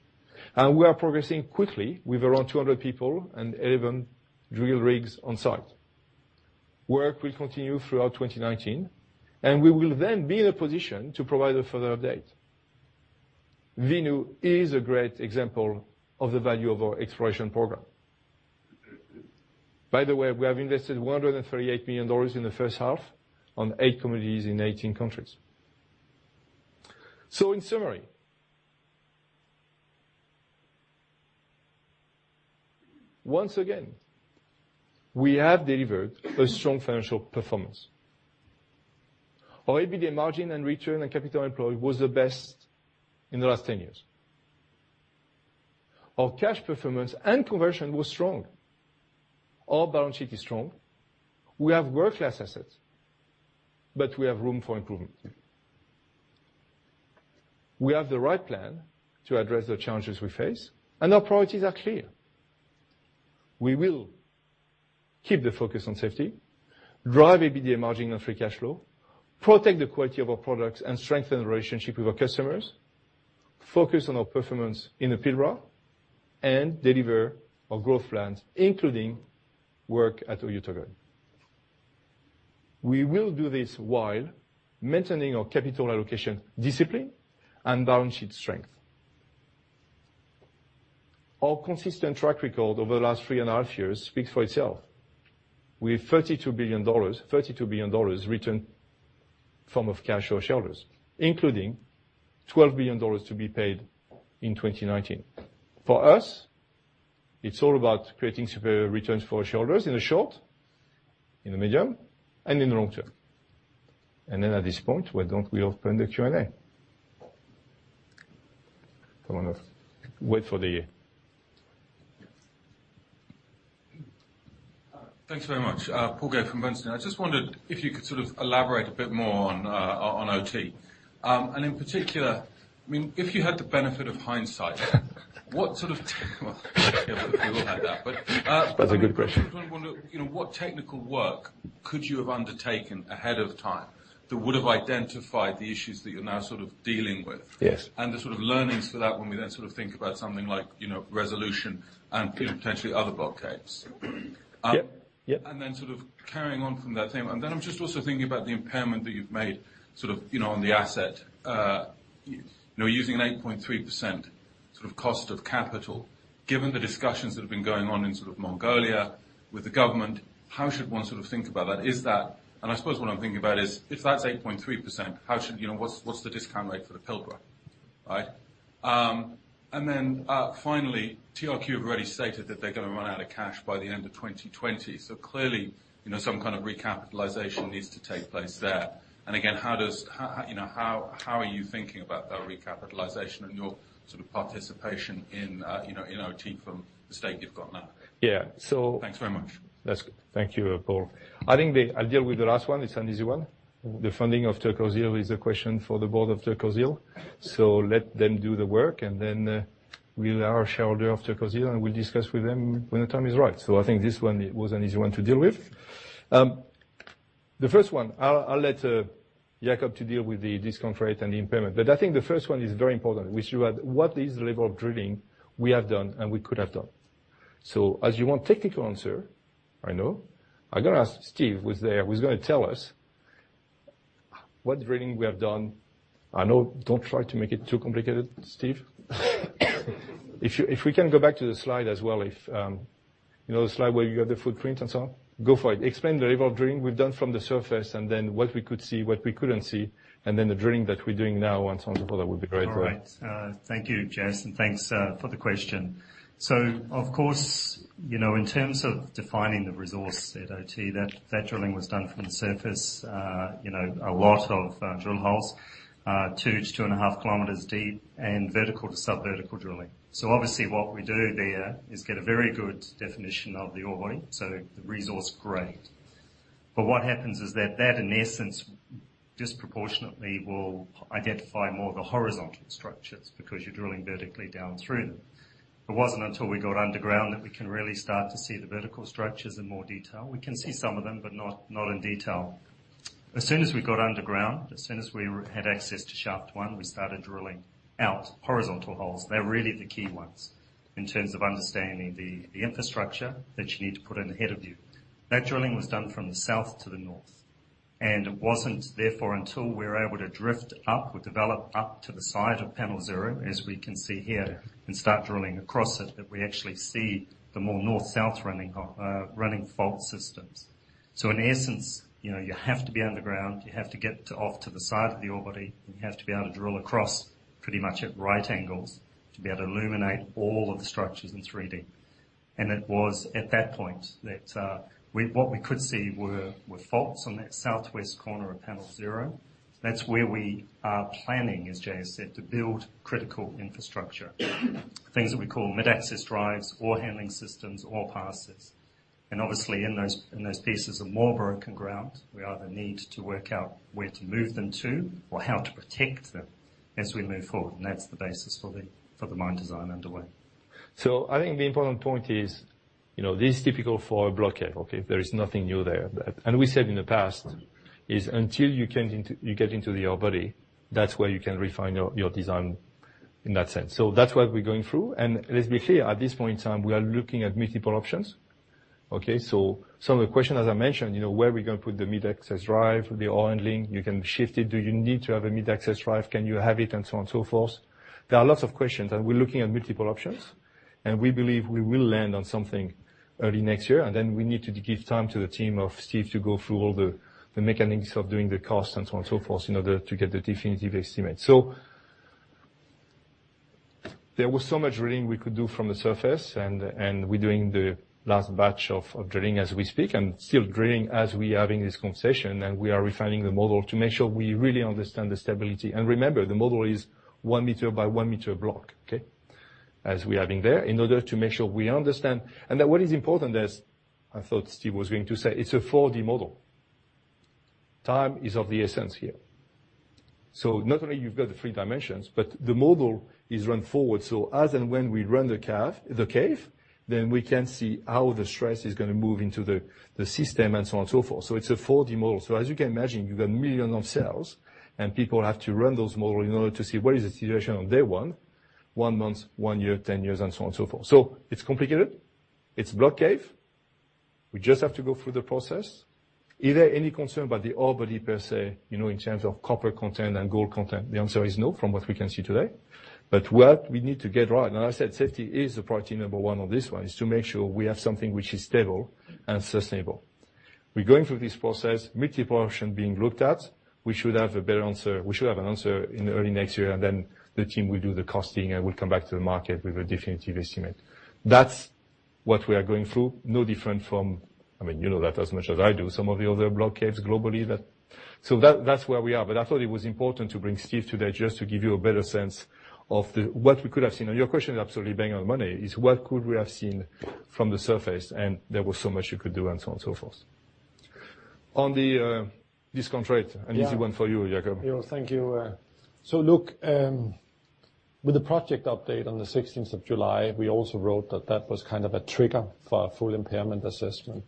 We are progressing quickly with around 200 people and 11 drill rigs on site. Work will continue throughout 2019. We will then be in a position to provide a further update. Winu is a great example of the value of our exploration program. By the way, we have invested $138 million in the first half on eight commodities in 18 countries. In summary, once again, we have delivered a strong financial performance. Our EBITDA margin and return on capital employed was the best in the last 10 years. Our cash performance and conversion was strong. Our balance sheet is strong. We have world-class assets, but we have room for improvement. We have the right plan to address the challenges we face, and our priorities are clear. We will keep the focus on safety, drive EBITDA margin and free cash flow, protect the quality of our products and strengthen the relationship with our customers, focus on our performance in the Pilbara, and deliver our growth plans, including work at Oyu Tolgoi. We will do this while maintaining our capital allocation discipline and balance sheet strength. Our consistent track record over the last three and a half years speaks for itself. We have $32 billion return from of cash flow shareholders, including $12 billion to be paid in 2019. For us, it's all about creating superior returns for our shareholders in the short, in the medium, and in the long term. At this point, why don't we open the Q&A? Come on up. Wait for the- Thanks very much. Paul Gait from Bernstein. I just wondered if you could elaborate a bit more on OT. In particular, if you had the benefit of hindsight. That's a good question. I just wonder, what technical work could you have undertaken ahead of time that would have identified the issues that you're now dealing with? Yes. The learnings for that when we then think about something like resolution and potentially other block caves. Yep. Carrying on from that theme. I'm just also thinking about the impairment that you've made on the asset, using an 8.3% cost of capital. Given the discussions that have been going on in Mongolia with the government, how should one think about that? I suppose what I'm thinking about is, if that's 8.3%, what's the discount rate for the Pilbara? Right. Finally, TRQ have already stated that they're going to run out of cash by the end of 2020. Clearly, some kind of recapitalization needs to take place there. Again, how are you thinking about that recapitalization and your participation in OT from the stake you've got now? Yeah. Thanks very much. That's good. Thank you, Paul. I think I'll deal with the last one. It's an easy one. The funding of Turquoise Hill is a question for the board of Turquoise Hill. Let them do the work, we are a shareholder of Turquoise Hill, we'll discuss with them when the time is right. I think this one was an easy one to deal with. The first one, I'll let Jakob to deal with the discount rate and the impairment. I think the first one is very important, which you had, what is the level of drilling we have done and we could have done? As you want technical answer, I know, I'm going to ask Steve who's there, who's going to tell us what drilling we have done. I know, don't try to make it too complicated, Steve. If we can go back to the slide as well, the slide where you got the footprint and so on. Go for it. Explain the level of drilling we've done from the surface, and then what we could see, what we couldn't see, and then the drilling that we're doing now and so on and so forth, that would be great. All right. Thank you, J-S, and thanks for the question. Of course, in terms of defining the resource at OT, that drilling was done from the surface, a lot of drill holes, two to two and a half kilometers deep and vertical to sub-vertical drilling. Obviously what we do there is get a very good definition of the ore body, so the resource grade. What happens is that in essence, disproportionately will identify more of the horizontal structures because you're drilling vertically down through them. It wasn't until we got underground that we can really start to see the vertical structures in more detail. We can see some of them, but not in detail. As soon as we got underground, as soon as we had access to shaft one, we started drilling out horizontal holes. They're really the key ones in terms of understanding the infrastructure that you need to put in ahead of you. It wasn't therefore until we were able to drift up or develop up to the side of Panel Zero, as we can see here, and start drilling across it, that we actually see the more north-south running fault systems. In essence, you have to be underground, you have to get off to the side of the ore body, and you have to be able to drill across pretty much at right angles to be able to illuminate all of the structures in 3D. It was at that point that what we could see were faults on that southwest corner of Panel Zero. That's where we are planning, as J-S said, to build critical infrastructure. Things that we call mid-access drives or handling systems or passes. Obviously, in those pieces of more broken ground, we either need to work out where to move them to or how to protect them as we move forward. That's the basis for the mine design underway. I think the important point is, this is typical for a block cave, okay? There is nothing new there. We said in the past, is until you get into the ore body, that's where you can refine your design in that sense. That's what we're going through. Let's be clear, at this point in time, we are looking at multiple options. Okay? Some of the question, as I mentioned, where are we going to put the mid-access drive, the ore handling? You can shift it. Do you need to have a mid-access drive? Can you have it? So on and so forth. There are lots of questions, and we're looking at multiple options, and we believe we will land on something early next year, and then we need to give time to the team of Steve to go through all the mechanics of doing the cost and so on and so forth in order to get the definitive estimate. There was so much drilling we could do from the surface, and we're doing the last batch of drilling as we speak, and still drilling as we are having this conversation, and we are refining the model to make sure we really understand the stability. Remember, the model is one meter by one meter block, okay? As we are having there, in order to make sure we understand. That what is important is, I thought Steve was going to say, it's a 4D model. Time is of the essence here. Not only you've got the three dimensions, but the model is run forward. As and when we run the cave, then we can see how the stress is going to move into the system and so on and so forth. It's a 4D model. As you can imagine, you've got million of cells, and people have to run those model in order to see what is the situation on day one month, one year, 10 years, and so on and so forth. It's complicated. It's block cave. We just have to go through the process. Either any concern about the ore body per se, in terms of copper content and gold content, the answer is no from what we can see today. What we need to get right, and I said, safety is the priority number one on this one, is to make sure we have something which is stable and sustainable. We're going through this process, multiple option being looked at. We should have a better answer. We should have an answer in early next year, the team will do the costing, and we'll come back to the market with a definitive estimate. That's what we are going through. No different from I mean, you know that as much as I do. That's where we are. I thought it was important to bring Steve today just to give you a better sense of what we could have seen. Your question is absolutely bang on the money, is what could we have seen from the surface? There was so much you could do and so on and so forth. On the discount rate. Yeah. An easy one for you, Jakob. Yeah. Thank you. Look, with the project update on the 16th of July, we also wrote that that was kind of a trigger for a full impairment assessment.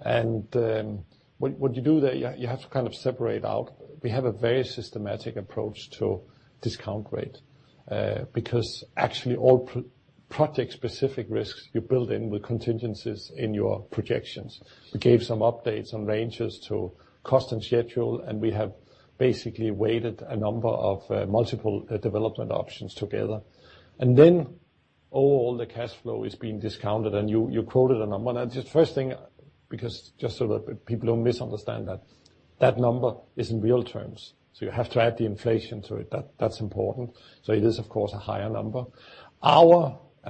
What you do there, you have to kind of separate out. We have a very systematic approach to discount rate, because actually all project specific risks, you build in with contingencies in your projections. We gave some updates on ranges to cost and schedule. We have basically weighted a number of multiple development options together. All the cash flow is being discounted, and you quoted a number. Now, just first thing, because just so that people don't misunderstand that number is in real terms, so you have to add the inflation to it. That's important. It is, of course, a higher number.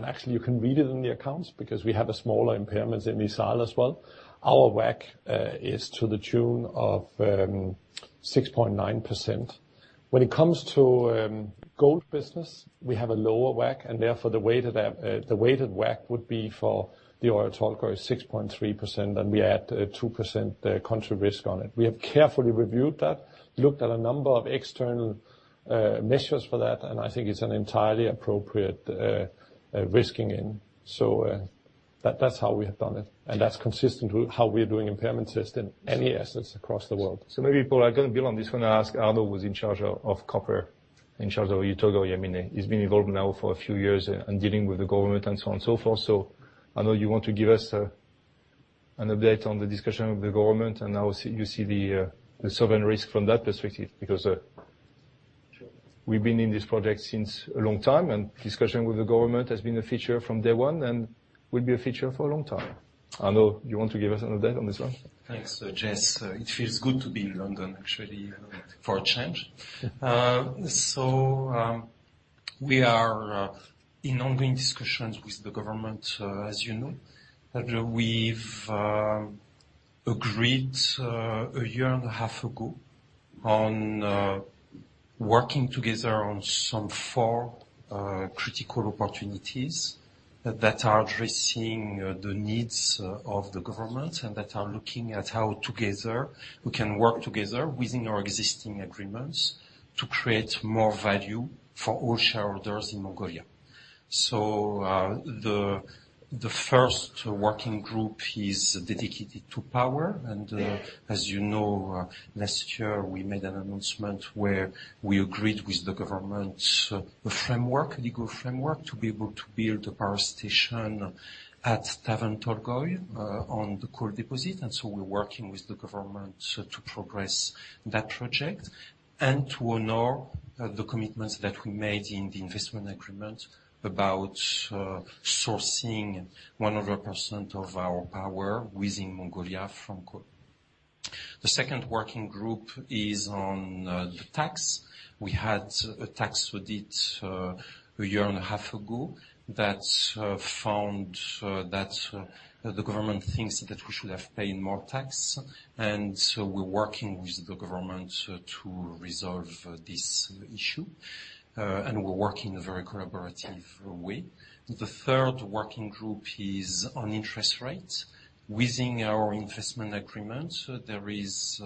Actually you can read it in the accounts because we have a smaller impairment in Misawa as well. Our WACC is to the tune of 6.9%. When it comes to gold business, we have a lower WACC, and therefore the weighted WACC would be for the Oyu Tolgoi is 6.3%, and we add 2% country risk on it. We have carefully reviewed that, looked at a number of external measures for that, and I think it's an entirely appropriate risking in. That's how we have done it, and that's consistent with how we're doing impairment test in any assets across the world. Maybe Paul, I'm going to build on this one and ask Arnaud, who's in charge of copper, in charge of Oyu Tolgoi, I mean, he's been involved now for a few years and dealing with the government and so on and so forth. Arnaud, you want to give us an update on the discussion with the government and how you see the sovereign risk from that perspective? Because we've been in this project since a long time, and discussion with the government has been a feature from day one and will be a feature for a long time. Arnaud, you want to give us an update on this one? Thanks, J-S. It feels good to be in London, actually, for a change. We are in ongoing discussions with the government, as you know. We've agreed a year and a half ago on working together on some four critical opportunities that are addressing the needs of the government and that are looking at how together we can work together within our existing agreements to create more value for all shareholders in Mongolia. The first working group is dedicated to power. As you know, last year we made an announcement where we agreed with the government a framework, a legal framework, to be able to build a power station at Tavan Tolgoi on the coal deposit. We're working with the government to progress that project and to honor the commitments that we made in the investment agreement about sourcing 100% of our power within Mongolia from coal. The second working group is on the tax. We had a tax audit a year and a half ago that found that the government thinks that we should have paid more tax. We're working with the government to resolve this issue. We're working in a very collaborative way. The third working group is on interest rates. Within our investment agreement, there is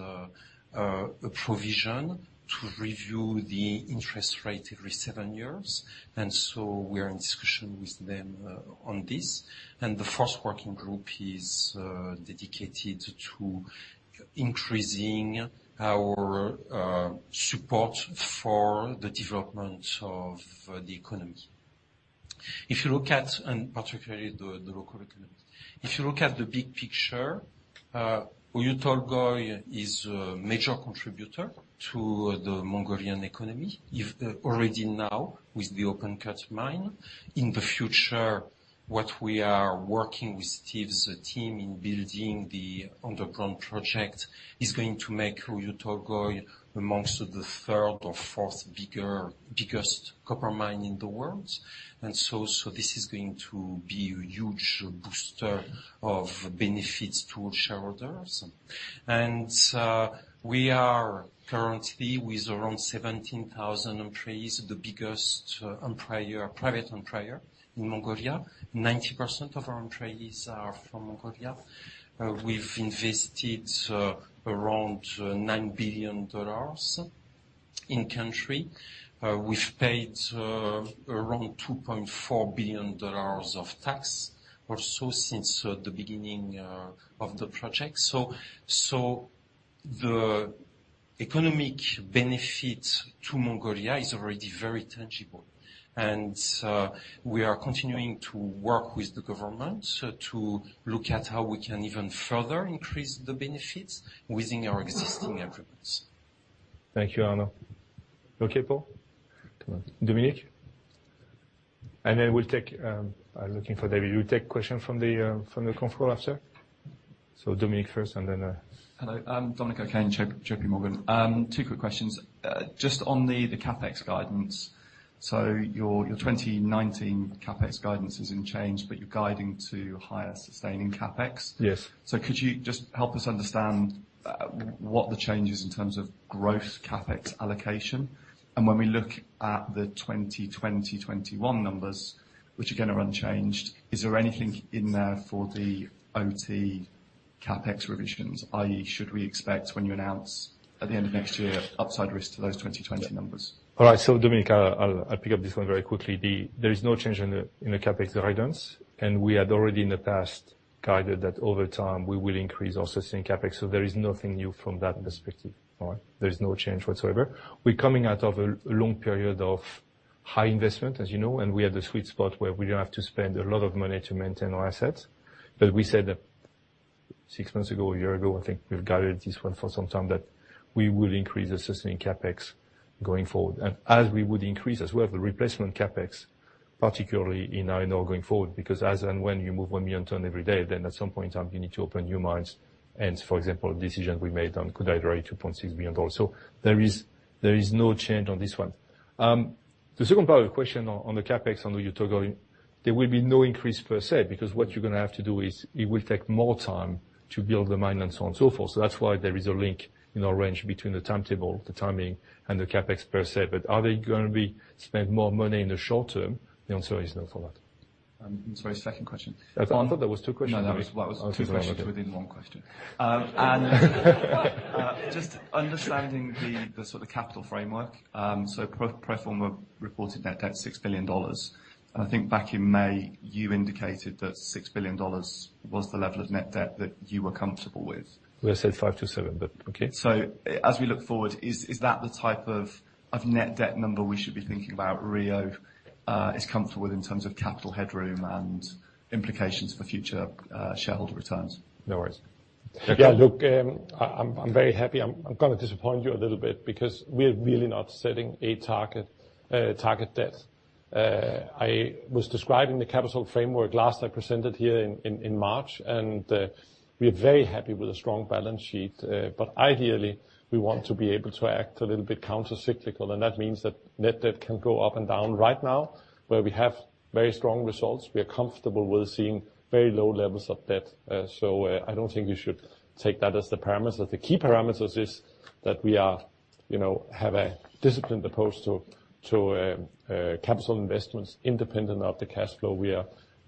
a provision to review the interest rate every seven years. We are in discussion with them on this. The fourth working group is dedicated to increasing our support for the development of the economy, and particularly the local economy. If you look at the big picture, Oyu Tolgoi is a major contributor to the Mongolian economy, if already now with the open-cut mine. In the future, what we are working with Steve's team in building the underground project is going to make Oyu Tolgoi amongst the third or fourth biggest copper mine in the world. This is going to be a huge booster of benefits to all shareholders. We are currently with around 17,000 employees, the biggest private employer in Mongolia. 90% of our employees are from Mongolia. We've invested around $9 billion in country. We've paid around $2.4 billion of tax or so since the beginning of the project. The economic benefit to Mongolia is already very tangible. We are continuing to work with the government to look at how we can even further increase the benefits within our existing agreements. Thank you, Arnaud. Okay, Paul. Come on. Dominic. Then I'm looking for David, we'll take question from the control after. Dominic first and then. Hello. I'm Dominic O'Kane, JPMorgan. Two quick questions. Just on the CapEx guidance. Your 2019 CapEx guidance is unchanged, but you're guiding to higher sustaining CapEx. Yes. Could you just help us understand what the change is in terms of growth CapEx allocation? When we look at the 2020, 2021 numbers, which are again unchanged, is there anything in there for the OT CapEx revisions, i.e., should we expect when you announce at the end of next year, upside risk to those 2020 numbers? All right. Dominic, I'll pick up this one very quickly. There is no change in the CapEx guidance. We had already in the past guided that over time we will increase also in CapEx. There is nothing new from that perspective. All right. There is no change whatsoever. We're coming out of a long period of high investment, as you know, and we are at the sweet spot where we don't have to spend a lot of money to maintain our assets. We said that six months ago, a year ago, I think we've guided this one for some time, that we will increase assisting CapEx going forward. As we would increase as well, the replacement CapEx, particularly in iron ore going forward, because as and when you move 1 million ton every day, then at some point in time you need to open new mines. For example, decisions we made on Koodaideri $2.6 billion. There is no change on this one. The second part of your question on the CapEx, Oyu Tolgoi, there will be no increase per se because what you're going to have to do is, it will take more time to build the mine and so on and so forth. That's why there is a link in our range between the timetable, the timing, and the CapEx per se. Are they going to be spend more money in the short term? The answer is no for that. I'm sorry, second question. I thought that was two questions. That was two questions within one question. Just understanding the sort of capital framework. Pro forma reported net debt, $6 billion. I think back in May, you indicated that $6 billion was the level of net debt that you were comfortable with. We said $5 billion-$7 billion, but okay. As we look forward, is that the type of net debt number we should be thinking about Rio is comfortable with in terms of capital headroom and implications for future shareholder returns? No worries. Look, I'm very happy. I'm going to disappoint you a little bit because we are really not setting a target debt. I was describing the capital framework last I presented here in March, and we are very happy with a strong balance sheet. Ideally, we want to be able to act a little bit countercyclical, and that means that net debt can go up and down. Right now, where we have very strong results, we are comfortable with seeing very low levels of debt. I don't think you should take that as the parameter. The key parameter is that we have a disciplined approach to capital investments independent of the cash flow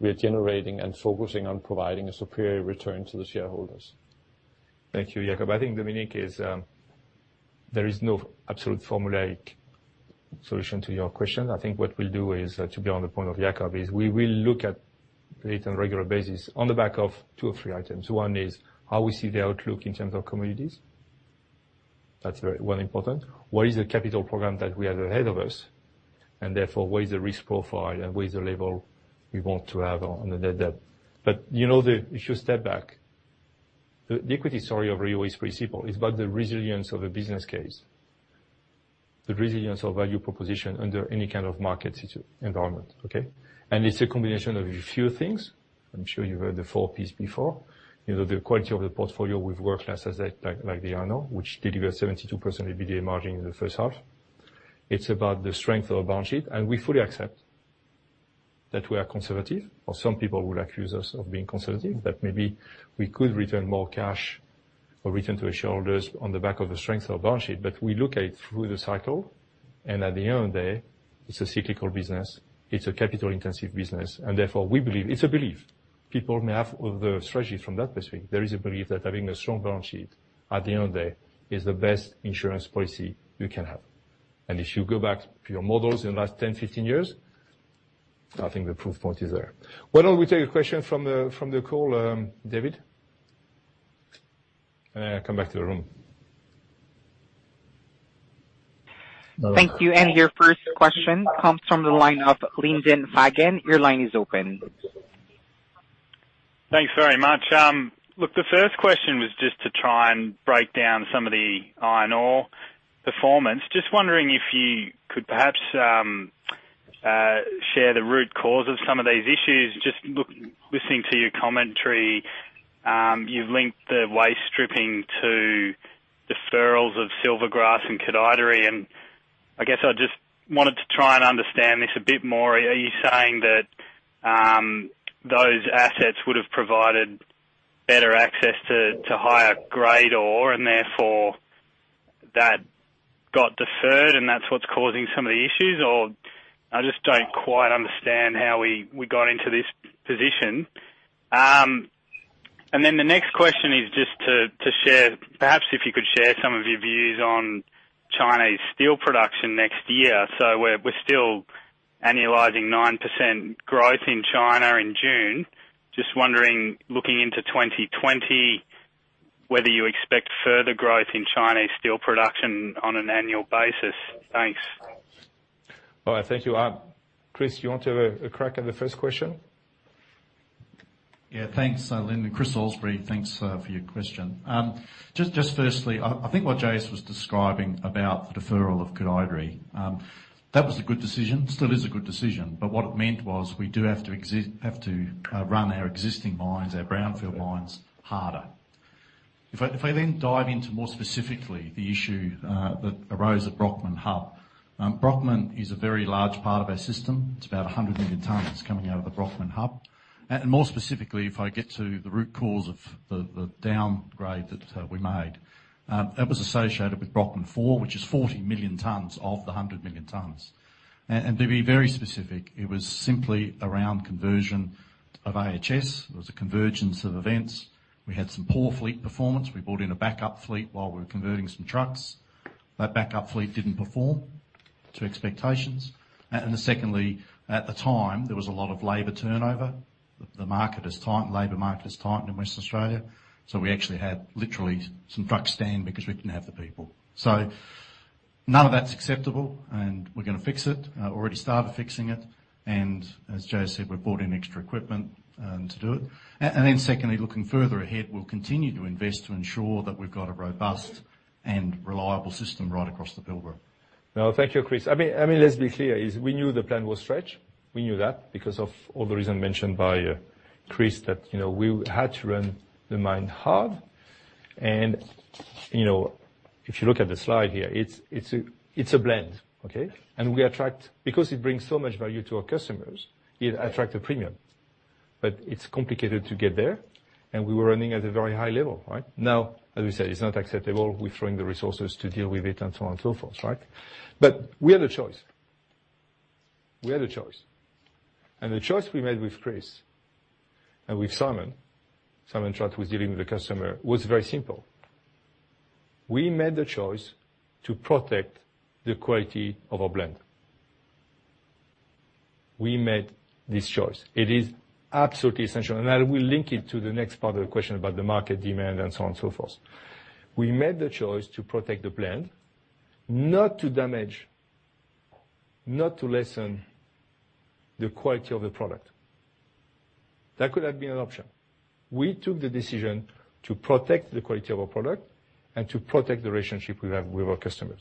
we are generating and focusing on providing a superior return to the shareholders. Thank you, Jakob. There is no absolute formulaic solution to your question. I think what we'll do is, to be on the point of Jakob, is we will look at it on a regular basis on the back of two or three items. One is how we see the outlook in terms of commodities. That's one important. What is the capital program that we have ahead of us? Therefore, what is the risk profile and what is the level we want to have on the net debt. If you step back, the equity story of Rio is pretty simple. It's about the resilience of a business case, the resilience of value proposition under any kind of market environment. Okay? It's a combination of a few things. I'm sure you've heard the 4P's before. The quality of the portfolio with world classes like the iron ore, which delivered 72% EBITDA margin in the first half. We fully accept that we are conservative, or some people would accuse us of being conservative, that maybe we could return more cash or return to our shareholders on the back of the strength of our balance sheet. We look at it through the cycle, At the end of the day, it's a cyclical business, it's a capital-intensive business, Therefore, we believe, it's a belief. People may have other strategies from that perspective. There is a belief that having a strong balance sheet, at the end of the day, is the best insurance policy you can have. If you go back to your models in the last 10, 15 years, I think the proof point is there. Why don't we take a question from the call, David? I come back to the room. Thank you. Your first question comes from the line of Lyndon Fagan. Your line is open. Thanks very much. The first question was just to try and break down some of the iron ore performance. Just wondering if you could perhaps share the root cause of some of these issues. Just listening to your commentary, you've linked the waste stripping to deferrals of Silvergrass and Koodaideri. I guess I just wanted to try and understand this a bit more. Are you saying that those assets would have provided better access to higher grade ore and therefore that got deferred and that's what's causing some of the issues? I just don't quite understand how we got into this position. The next question is just perhaps if you could share some of your views on Chinese steel production next year. We're still annualizing 9% growth in China in June. Just wondering, looking into 2020, whether you expect further growth in Chinese steel production on an annual basis? Thanks. All right. Thank you. Chris, you want to have a crack at the first question? Thanks, Lyndon. Chris Salisbury, thanks for your question. Firstly, I think what Jacques was describing about the deferral of Koodaideri, that was a good decision, still is a good decision, what it meant was we do have to run our existing mines, our brownfield mines harder. If I then dive into more specifically the issue that arose at Brockman Hub. Brockman is a very large part of our system. It is about 100 million tons coming out of the Brockman Hub. More specifically, if I get to the root cause of the downgrade that we made, that was associated with Brockman 4, which is 40 million tons of the 100 million tons. To be very specific, it was simply around conversion of IHS. There was a convergence of events. We had some poor fleet performance. We brought in a backup fleet while we were converting some trucks. That backup fleet didn't perform to expectations. Secondly, at the time, there was a lot of labor turnover. The labor market has tightened in West Australia, we actually had literally some trucks stand because we didn't have the people. None of that's acceptable, and we're going to fix it. Already started fixing it, and as J-S said, we brought in extra equipment to do it. Secondly, looking further ahead, we'll continue to invest to ensure that we've got a robust and reliable system right across the Pilbara. No, thank you, Chris. Let's be clear, we knew the plan was stretch. We knew that because of all the reasons mentioned by Chris that we had to run the mine hard. If you look at the slide here, it's a blend. Because it brings so much value to our customers, it attract a premium. It's complicated to get there, and we were running at a very high level. Now, as we said, it's not acceptable. We're throwing the resources to deal with it, and so on and so forth. We had a choice. We had a choice. The choice we made with Chris and with Simon Trott was dealing with the customer, was very simple. We made the choice to protect the quality of our blend. We made this choice. It is absolutely essential. I will link it to the next part of the question about the market demand, and so on and so forth. We made the choice to protect the blend, not to damage, not to lessen the quality of the product. That could have been an option. We took the decision to protect the quality of our product and to protect the relationship we have with our customers.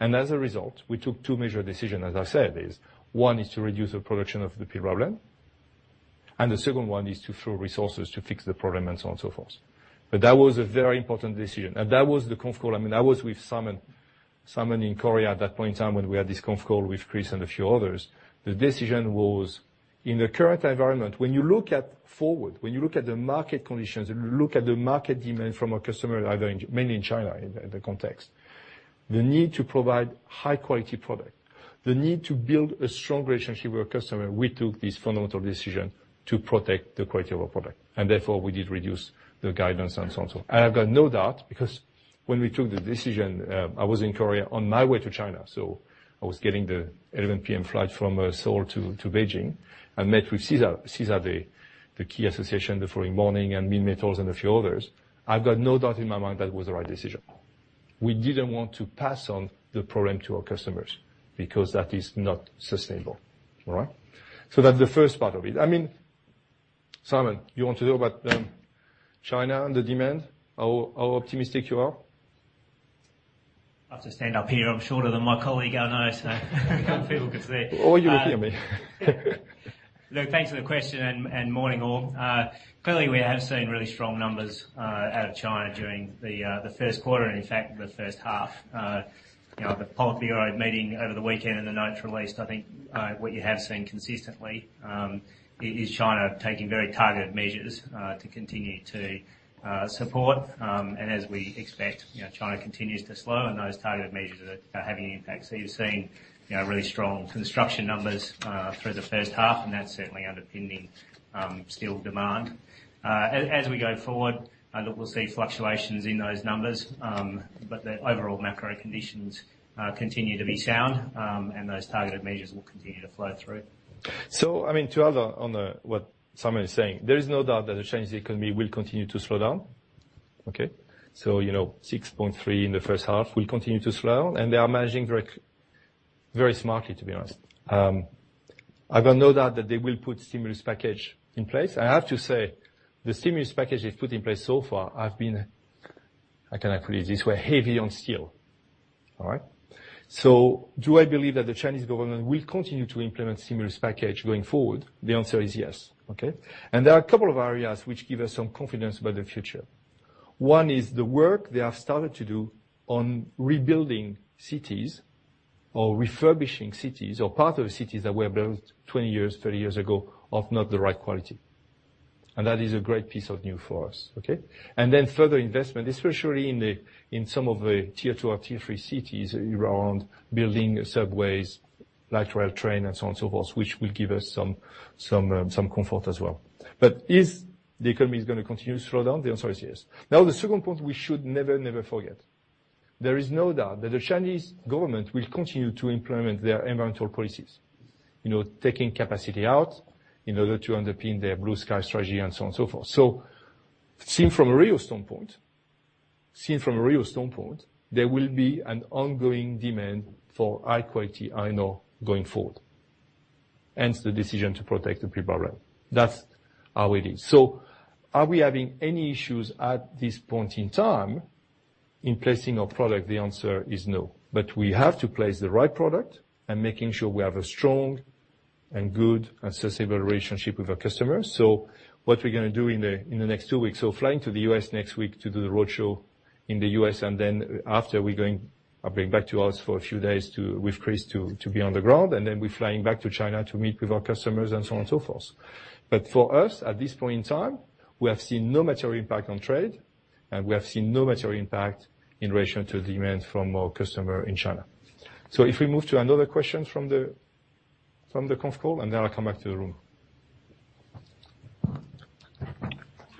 As a result, we took two major decisions, as I said, one is to reduce the production of the Pilbara Blend, the second one is to throw resources to fix the problem, and so on and so forth. That was a very important decision, that was the conf call. I was with Simon in Korea at that point in time when we had this conf call with Chris and a few others. The decision was, in the current environment, when you look at forward, when you look at the market conditions, look at the market demand from our customer, mainly in China, in the context, the need to provide high quality product, the need to build a strong relationship with our customer, we took this fundamental decision to protect the quality of our product. Therefore, we did reduce the guidance and so on. I've got no doubt because when we took the decision, I was in Korea on my way to China, so I was getting the 11:00 P.M. flight from Seoul to Beijing. I met with César, the key association the following morning, and Minmetals and a few others. I've got no doubt in my mind that was the right decision. We didn't want to pass on the problem to our customers because that is not sustainable. That's the first part of it. Simon, you want to talk about China and the demand, how optimistic you are? I have to stand up here. I'm shorter than my colleague, I know, so can't people can see. Thanks for the question, and morning, all. Clearly, we have seen really strong numbers out of China during the first quarter, and in fact, the first half. The Politburo meeting over the weekend and the notes released, I think what you have seen consistently, is China taking very targeted measures to continue to support. As we expect, China continues to slow, and those targeted measures are having an impact. You're seeing really strong construction numbers through the first half, and that's certainly underpinning steel demand. As we go forward, I think we'll see fluctuations in those numbers, but the overall macro conditions continue to be sound, and those targeted measures will continue to flow through. To add on what Simon is saying, there is no doubt that the Chinese economy will continue to slow down. 6.3 in the first half will continue to slow, and they are managing very smartly, to be honest. I've got no doubt that they will put stimulus package in place. I have to say, the stimulus package they've put in place so far, I can put it this way, heavy on steel. Do I believe that the Chinese government will continue to implement stimulus package going forward? The answer is yes. There are a couple of areas which give us some confidence about the future. One is the work they have started to do on rebuilding cities or refurbishing cities or parts of cities that were built 20 years, 30 years ago of not the right quality. That is a great piece of news for us. Then further investment, especially in some of the tier two or tier three cities around building subways, light rail, train, and so on and so forth, which will give us some comfort as well. Is the economy going to continue to slow down? The answer is yes. Now, the second point we should never forget. There is no doubt that the Chinese government will continue to implement their environmental policies, taking capacity out in order to underpin their blue sky strategy, and so on and so forth. Seen from a Rio standpoint, there will be an ongoing demand for high quality iron ore going forward, hence the decision to protect the Pilbara. That's how it is. Are we having any issues at this point in time in placing our product? The answer is no. We have to place the right product and making sure we have a strong and good and sustainable relationship with our customers. What we're going to do in the next two weeks, flying to the U.S. next week to do the roadshow in the U.S., and then after, we're going back to Aus for a few days with Chris to be on the ground, and then we're flying back to China to meet with our customers, and so on and so forth. For us, at this point in time, we have seen no material impact on trade, and we have seen no material impact in relation to demand from our customer in China. If we move to another question from the conf call, and then I'll come back to the room.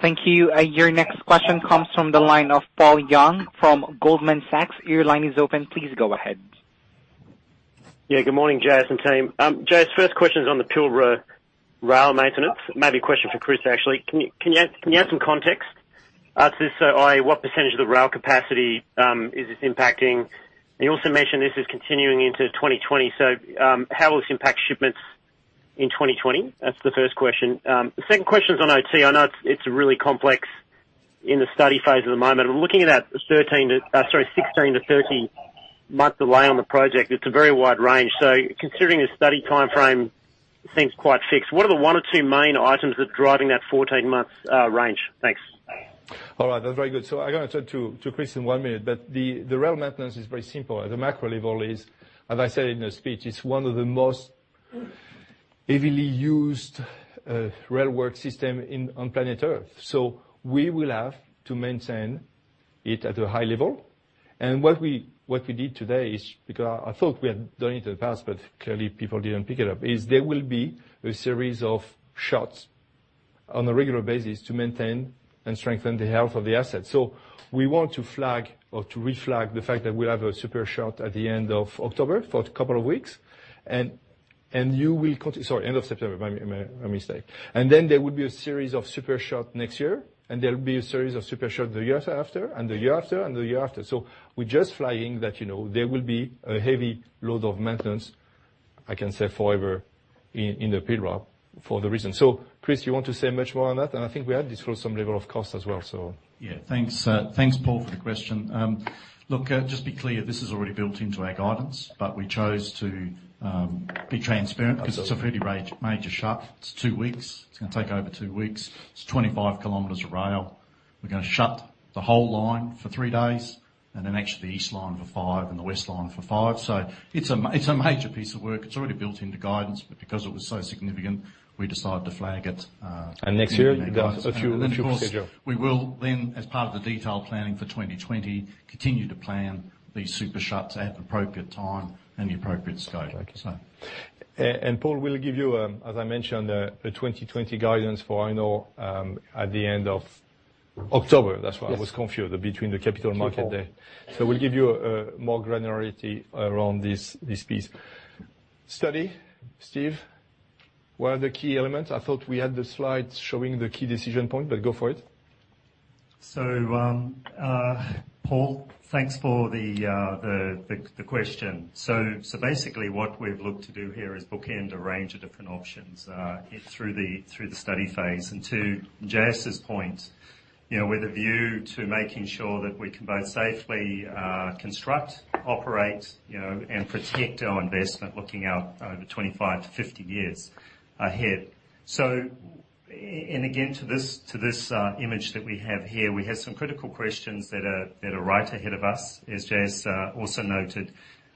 Thank you. Your next question comes from the line of Paul Young from Goldman Sachs. Your line is open. Please go ahead. Good morning, J-S and team. J-S, first question is on the Pilbara rail maintenance. Maybe a question for Chris, actually. Can you add some context to this? What percentage of the rail capacity is this impacting? You also mentioned this is continuing into 2020. How will this impact shipments in 2020? That's the first question. The second question is on OT. I know it's really complex, in the study phase at the moment. We're looking at 16 to 30 months delay on the project. It's a very wide range. Considering the study timeframe seems quite fixed, what are the one or two main items that are driving that 14 months range? Thanks. All right. That's very good. I'm going to turn to Chris in one minute. The rail maintenance is very simple. At the macro level, as I said in the speech, it's one of the most heavily used rail work system on planet Earth. We will have to maintain it at a high level. What we did today is, because I thought we had done it in the past, but clearly, people didn't pick it up, is there will be a series of shuts on a regular basis to maintain and strengthen the health of the asset. We want to flag or to re-flag the fact that we'll have a super shut at the end of October for a couple of weeks. You will Sorry, end of September. My mistake. Then there will be a series of super shut next year, and there'll be a series of super shut the year after, and the year after, and the year after. We're just flagging that there will be a heavy load of maintenance, I can say forever, in the Pilbara for the reason. Chris, you want to say much more on that? I think we had this for some level of cost as well, so. Yeah, thanks. Thanks, Paul, for the question. Look, just be clear, this is already built into our guidance, but we chose to be transparent because it's a fairly major shut. It's two weeks. It's going to take over two weeks. It's 25km of rail. We're going to shut the whole line for three days, and then actually the east line for five and the west line for five. It's a major piece of work. It's already built into guidance, but because it was so significant, we decided to flag it. Next year, we've got a few procedures. Of course, we will then, as part of the detailed planning for 2020, continue to plan these super shuts at the appropriate time and the appropriate scale. Okay. Paul, we'll give you, as I mentioned, the 2020 guidance for iron ore at the end of October. That's why I was confused between the capital market day. We'll give you more granularity around this piece. Study, Steve, what are the key elements? I thought we had the slides showing the key decision point, but go for it. Paul, thanks for the question. Basically, what we've looked to do here is bookend a range of different options through the study phase. To J-S's point, with a view to making sure that we can both safely construct, operate, and protect our investment looking out over 25 to 50 years ahead. Again, to this image that we have here, we have some critical questions that are right ahead of us, as J-S also noted.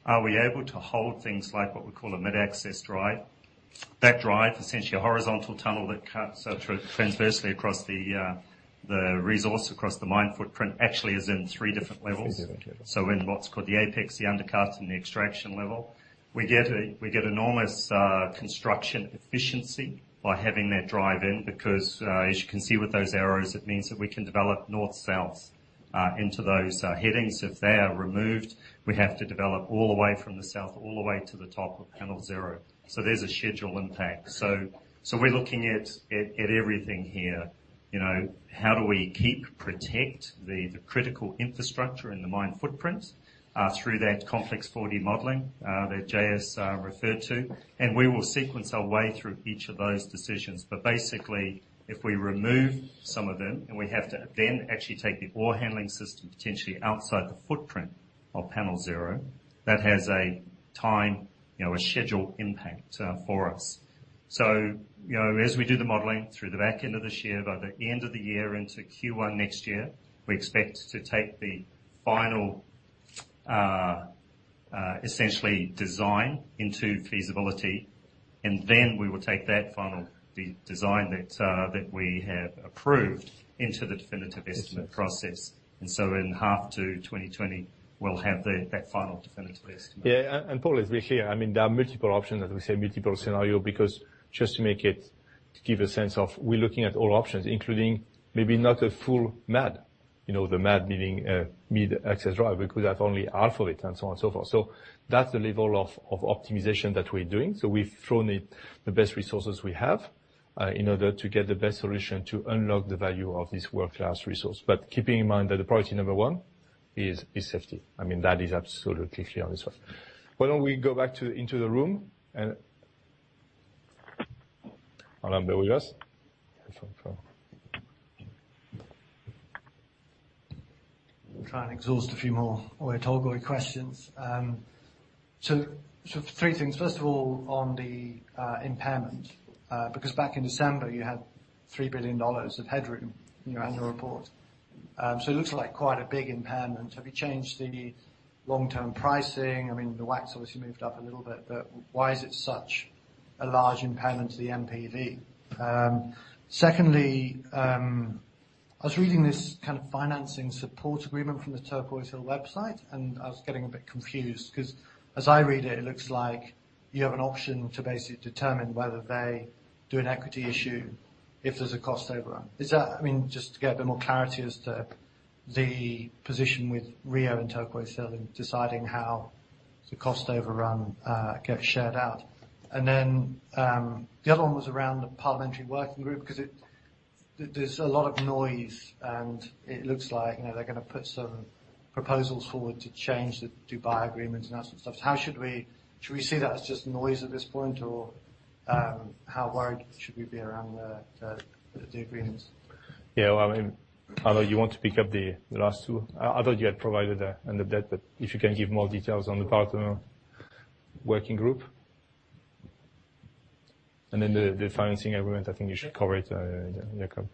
Are we able to hold things like what we call a mid-access drive? That drive, essentially a horizontal tunnel that cuts transversely across the resource, across the mine footprint, actually is in three different levels. Three different levels. In what's called the apex, the undercuts and the extraction level. We get enormous construction efficiency by having that drive in, because as you can see with those arrows, it means that we can develop north-south into those headings. If they are removed, we have to develop all the way from the south, all the way to the top of Panel Zero. There's a schedule impact. We're looking at everything here. How do we keep, protect the critical infrastructure in the mine footprint through that complex 4D modeling that J-S referred to. We will sequence our way through each of those decisions. Basically, if we remove some of them and we have to then actually take the ore handling system, potentially outside the footprint of Panel Zero, that has a time, a schedule impact for us. As we do the modeling through the back end of this year, by the end of the year into Q1 next year, we expect to take the final essentially design into feasibility, and then we will take that final design that we have approved into the definitive estimate process. In half to 2020, we'll have that final definitive estimate. Yeah. Paul, as we're here, there are multiple options, as we say, multiple scenario, because just to give a sense of we're looking at all options, including maybe not a full MAD. The MAD meaning mid-access drive. We could have only half of it, and so on and so forth. That's the level of optimization that we're doing. We've thrown it the best resources we have in order to get the best solution to unlock the value of this world-class resource. Keeping in mind that the priority number one is safety. That is absolutely clear on this one. Why don't we go back into the room. Try and exhaust a few more Oyu Tolgoi questions. Three things. First of all, on the impairment, because back in December, you had $3 billion of headroom in your annual report. It looks like quite a big impairment. Have you changed the long-term pricing? The WACC's obviously moved up a little bit, but why is it such a large impairment to the NPV? Secondly, I was reading this kind of financing support agreement from the Turquoise Hill website, and I was getting a bit confused because as I read it looks like you have an option to basically determine whether they do an equity issue if there's a cost overrun. Just to get a bit more clarity as to the position with Rio and Turquoise Hill in deciding how the cost overrun gets shared out. The other one was around the Parliamentary Working Group, because there's a lot of noise and it looks like they're going to put some proposals forward to change the Dubai Agreement and that sort of stuff. Should we see that as just noise at this point, or how worried should we be around the agreements? Yeah. Well, Arnaud, you want to pick up the last two? Arnaud, you had provided that, but if you can give more details on the partner working group. Then the financing agreement, I think you should cover it, Jakob.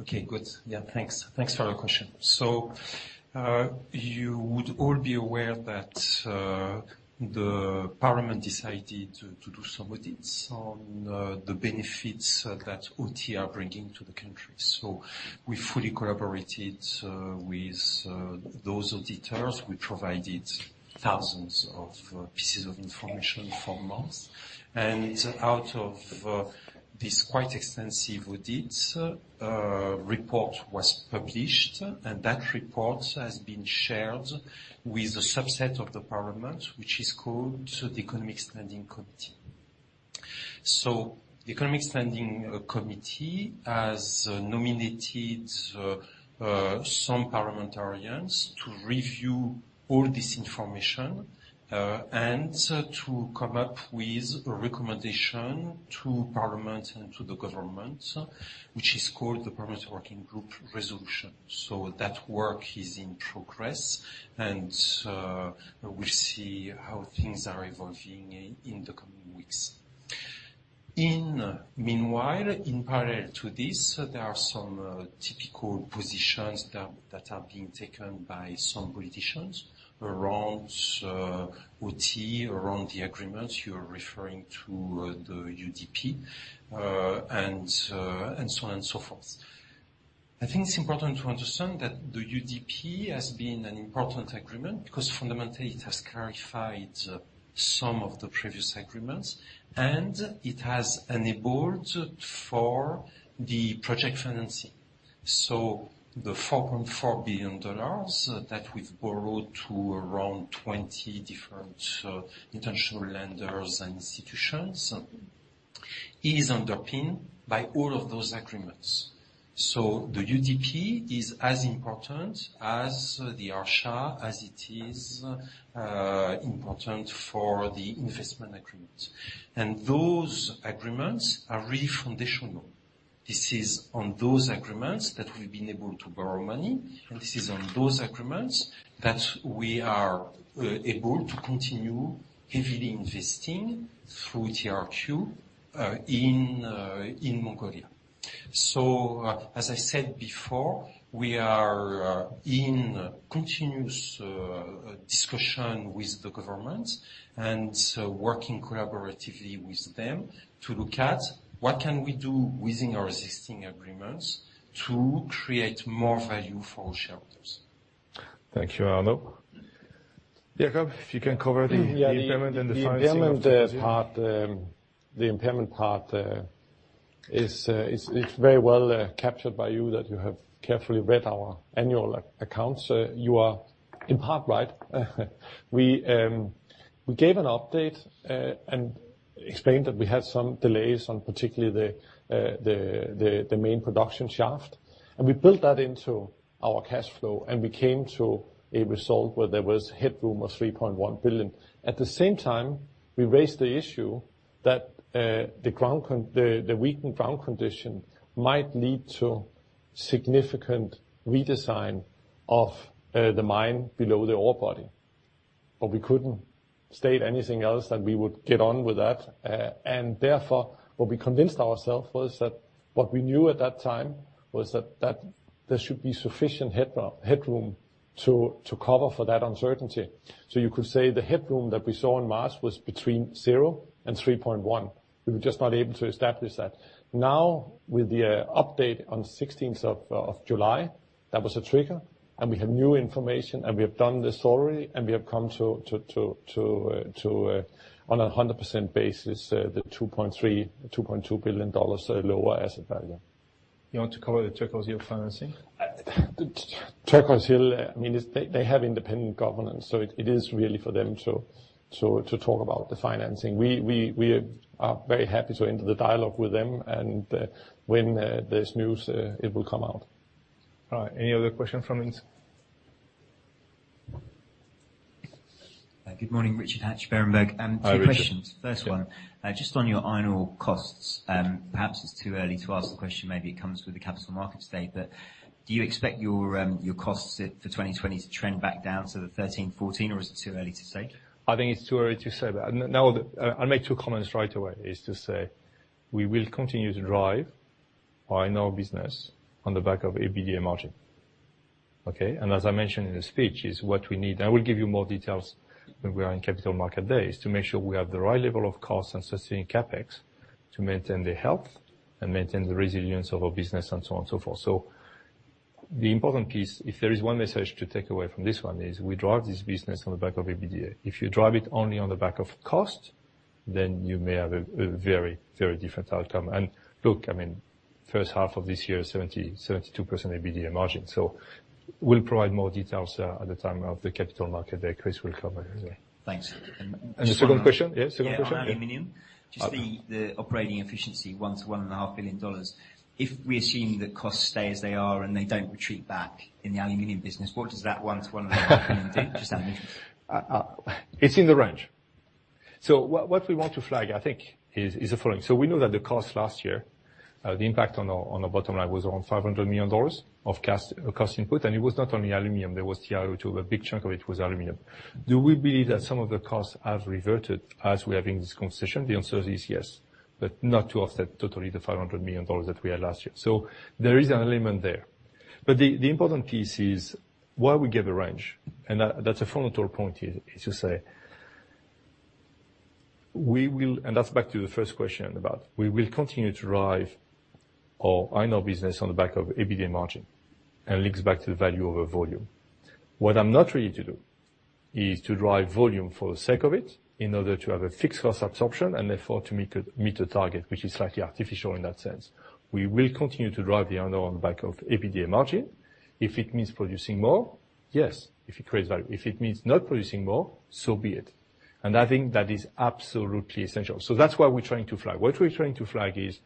Okay, good. Yeah, thanks. Thanks for your question. You would all be aware that the parliament decided to do some audits on the benefits that OT are bringing to the country. We fully collaborated with those auditors. We provided thousands of pieces of information for months. Out of this quite extensive audit, a report was published, and that report has been shared with a subset of the parliament, which is called the Economic Standing Committee. The Economic Standing Committee has nominated some parliamentarians to review all this information, and to come up with a recommendation to parliament and to the government, which is called the Parliamentary Working Group Resolution. That work is in progress and we'll see how things are evolving in the coming weeks. Meanwhile, in parallel to this, there are some typical positions that are being taken by some politicians around OT, around the agreement. You're referring to the UDP, and so on and so forth. I think it's important to understand that the UDP has been an important agreement because fundamentally it has clarified some of the previous agreements and it has enabled for the project financing. The $4.4 billion that we've borrowed to around 20 different international lenders and institutions is underpinned by all of those agreements. The UDP is as important as the ARSHA, as it is important for the investment agreement. Those agreements are really foundational. This is on those agreements that we've been able to borrow money, and this is on those agreements that we are able to continue heavily investing through TRQ, in Mongolia. As I said before, we are in continuous discussion with the government and working collaboratively with them to look at what can we do within our existing agreements to create more value for our shareholders. Thank you, Arnaud. Jakob, if you can cover the impairment and the financing. The impairment part is very well captured by you that you have carefully read our annual accounts. You are in part right. We gave an update, explained that we had some delays on particularly the main production shaft. We built that into our cash flow and we came to a result where there was headroom of $3.1 billion. At the same time, we raised the issue that the weakened ground condition might lead to significant redesign of the mine below the ore body. We couldn't state anything else that we would get on with that. Therefore, what we convinced ourself was that what we knew at that time was that there should be sufficient headroom to cover for that uncertainty. You could say the headroom that we saw in March was between zero and $3.1. We were just not able to establish that. With the update on 16th of July, that was a trigger, and we have new information, and we have done this already, and we have come to on a 100% basis, the $2.3 billion, $2.2 billion lower asset value. You want to cover the Turquoise Hill financing? Turquoise Hill, they have independent governance, so it is really for them to talk about the financing. We are very happy to enter the dialogue with them and when there's news it will come out. All right. Any other question from in? Good morning. Richard Hatch, Berenberg. Hi, Richard. Two questions. First one, just on your iron ore costs, perhaps it's too early to ask the question, maybe it comes with the capital market state. Do you expect your costs for 2020 to trend back down to the $13-$14, or is it too early to say? I think it's too early to say. I'll make two comments right away, is to say we will continue to drive our iron ore business on the back of EBITDA margin. Okay. As I mentioned in the speech, is what we need. I will give you more details when we are in capital market days to make sure we have the right level of costs and sustaining CapEx to maintain the health and maintain the resilience of our business and so on and so forth. The important piece, if there is one message to take away from this one, is we drive this business on the back of EBITDA. If you drive it only on the back of cost, then you may have a very different outcome. Look, first half of this year, 72% EBITDA margin. We'll provide more details at the time of the capital market that Chris will cover. Thanks. The second question? Yes, second question. On aluminum, just the operating efficiency, $1 billion-$1.5 billion. If we assume that costs stay as they are and they don't retreat back in the aluminum business, what does that $1 billion-$1.5 billion do? Just out of interest. It's in the range. What we want to flag, I think, is the following. We know that the cost last year, the impact on the bottom line was around $500 million of cost input, and it was not only aluminum, there was TiO2, but a big chunk of it was aluminum. Do we believe that some of the costs have reverted as we are having this concession? The answer is yes, but not to offset totally the $500 million that we had last year. There is an element there. The important piece is why we give a range, and that's a fundamental point here, is to say we will continue to drive our Iron Ore business on the back of EBITDA margin, and it links back to the value of a volume. What I'm not ready to do is to drive volume for the sake of it in order to have a fixed cost absorption, and therefore, to meet a target, which is slightly artificial in that sense. We will continue to drive the iron ore on the back of EBITDA margin. If it means producing more, yes, if it creates value. If it means not producing more, so be it. I think that is absolutely essential. That's why we're trying to flag. What we're trying to flag is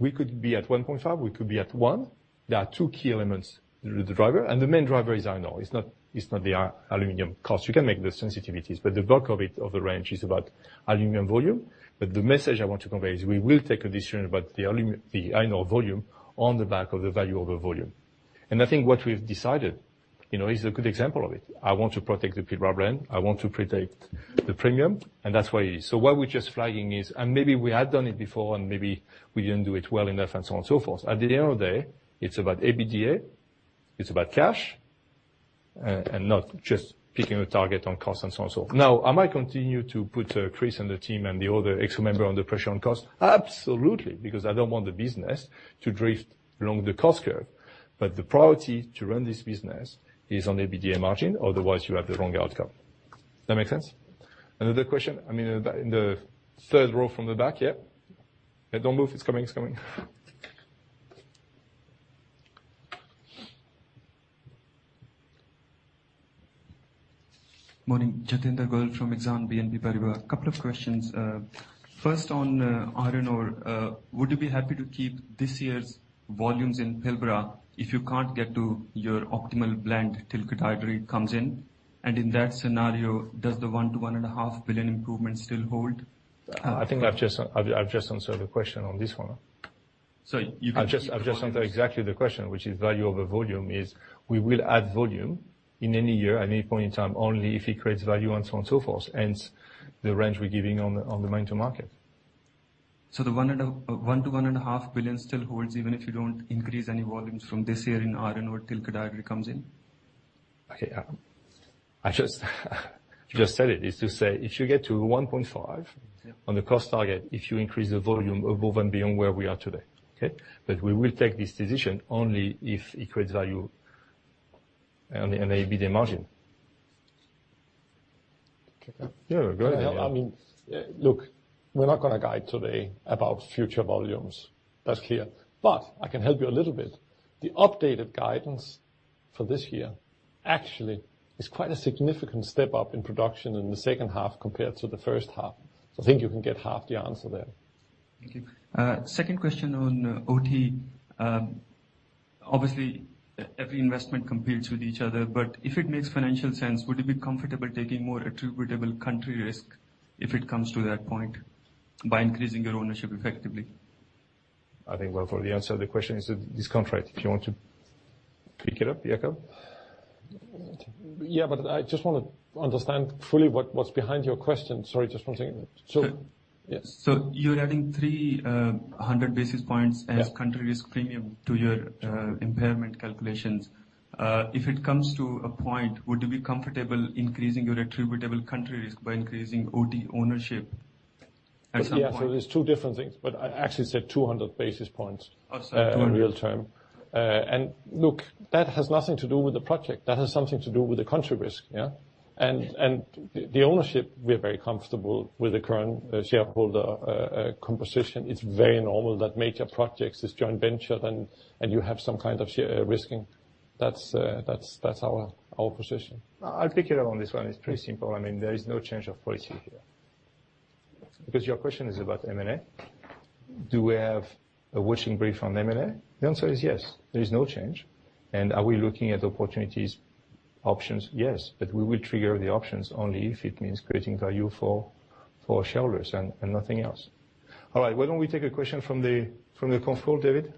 we could be at $1.5 billion, we could be at $1 billion. There are two key elements, the driver, and the main driver is iron ore. It's not the aluminum cost. We can make the sensitivities, but the bulk of it, of the range, is about aluminum volume. The message I want to convey is we will take a decision about the iron ore volume on the back of the value of a volume. I think what we've decided is a good example of it. I want to protect the Pilbara brand. I want to protect the premium, and that's where it is. What we're just flagging is, and maybe we had done it before and maybe we didn't do it well enough and so on and so forth. At the end of the day, it's about EBITDA, it's about cash, and not just picking a target on cost and so on, so forth. Am I continuing to put Chris and the team and the other exec member under pressure on cost? Absolutely, because I don't want the business to drift along the cost curve. The priority to run this business is on EBITDA margin. Otherwise, you have the wrong outcome. That make sense? Another question? In the third row from the back. Yeah. Don't move. It's coming. Morning. Jatinder Goel from Exane BNP Paribas. A couple of questions. First on iron ore. Would you be happy to keep this year's volumes in Pilbara if you can't get to your optimal blend till Pilbara comes in? In that scenario, does the $1 billion-$1.5 billion improvement still hold? I think I've just answered the question on this one. So you can keep- I've just answered exactly the question, which is value over volume is we will add volume in any year at any point in time, only if it creates value and so on and so forth, hence the range we're giving on the mine to market. The $1 billion-$1.5 billion still holds even if you don't increase any volumes from this year in iron ore till Koodaideri comes in? I just said it. If you get to $1.5 billion on the cost target, if you increase the volume above and beyond where we are today. Okay? We will take this decision only if it creates value and EBITDA margin. Okay. Yeah, go ahead. I mean, look, we're not going to guide today about future volumes. That's clear. I can help you a little bit. The updated guidance for this year actually is quite a significant step up in production in the second half compared to the first half. I think you can get half the answer there. Thank you. Second question on OT. Obviously, every investment competes with each other, but if it makes financial sense, would you be comfortable taking more attributable country risk if it comes to that point by increasing your ownership effectively? I think, well, for the answer to the question is that it is contract. If you want to pick it up, Jakob. Yeah, I just want to understand fully what's behind your question. Sorry, just one second. Sure. Yes. You're adding 300 basis points. Yeah. As country risk premium to your impairment calculations. If it comes to a point, would you be comfortable increasing your attributable country risk by increasing OT ownership at some point? Yeah, there's two different things, but I actually said 200 basis points. Oh, sorry. in real terms. Look, that has nothing to do with the project. That has something to do with the country risk. Yeah? The ownership, we are very comfortable with the current shareholder composition. It is very normal that major projects are joint ventured and you have some kind of risk. That is our position. I'll pick it up on this one. It's pretty simple. There is no change of policy here. Your question is about M&A. Do we have a watching brief on M&A? The answer is yes, there is no change. Are we looking at opportunities, options? Yes. We will trigger the options only if it means creating value for shareholders and nothing else. All right. Why don't we take a question from the control, David?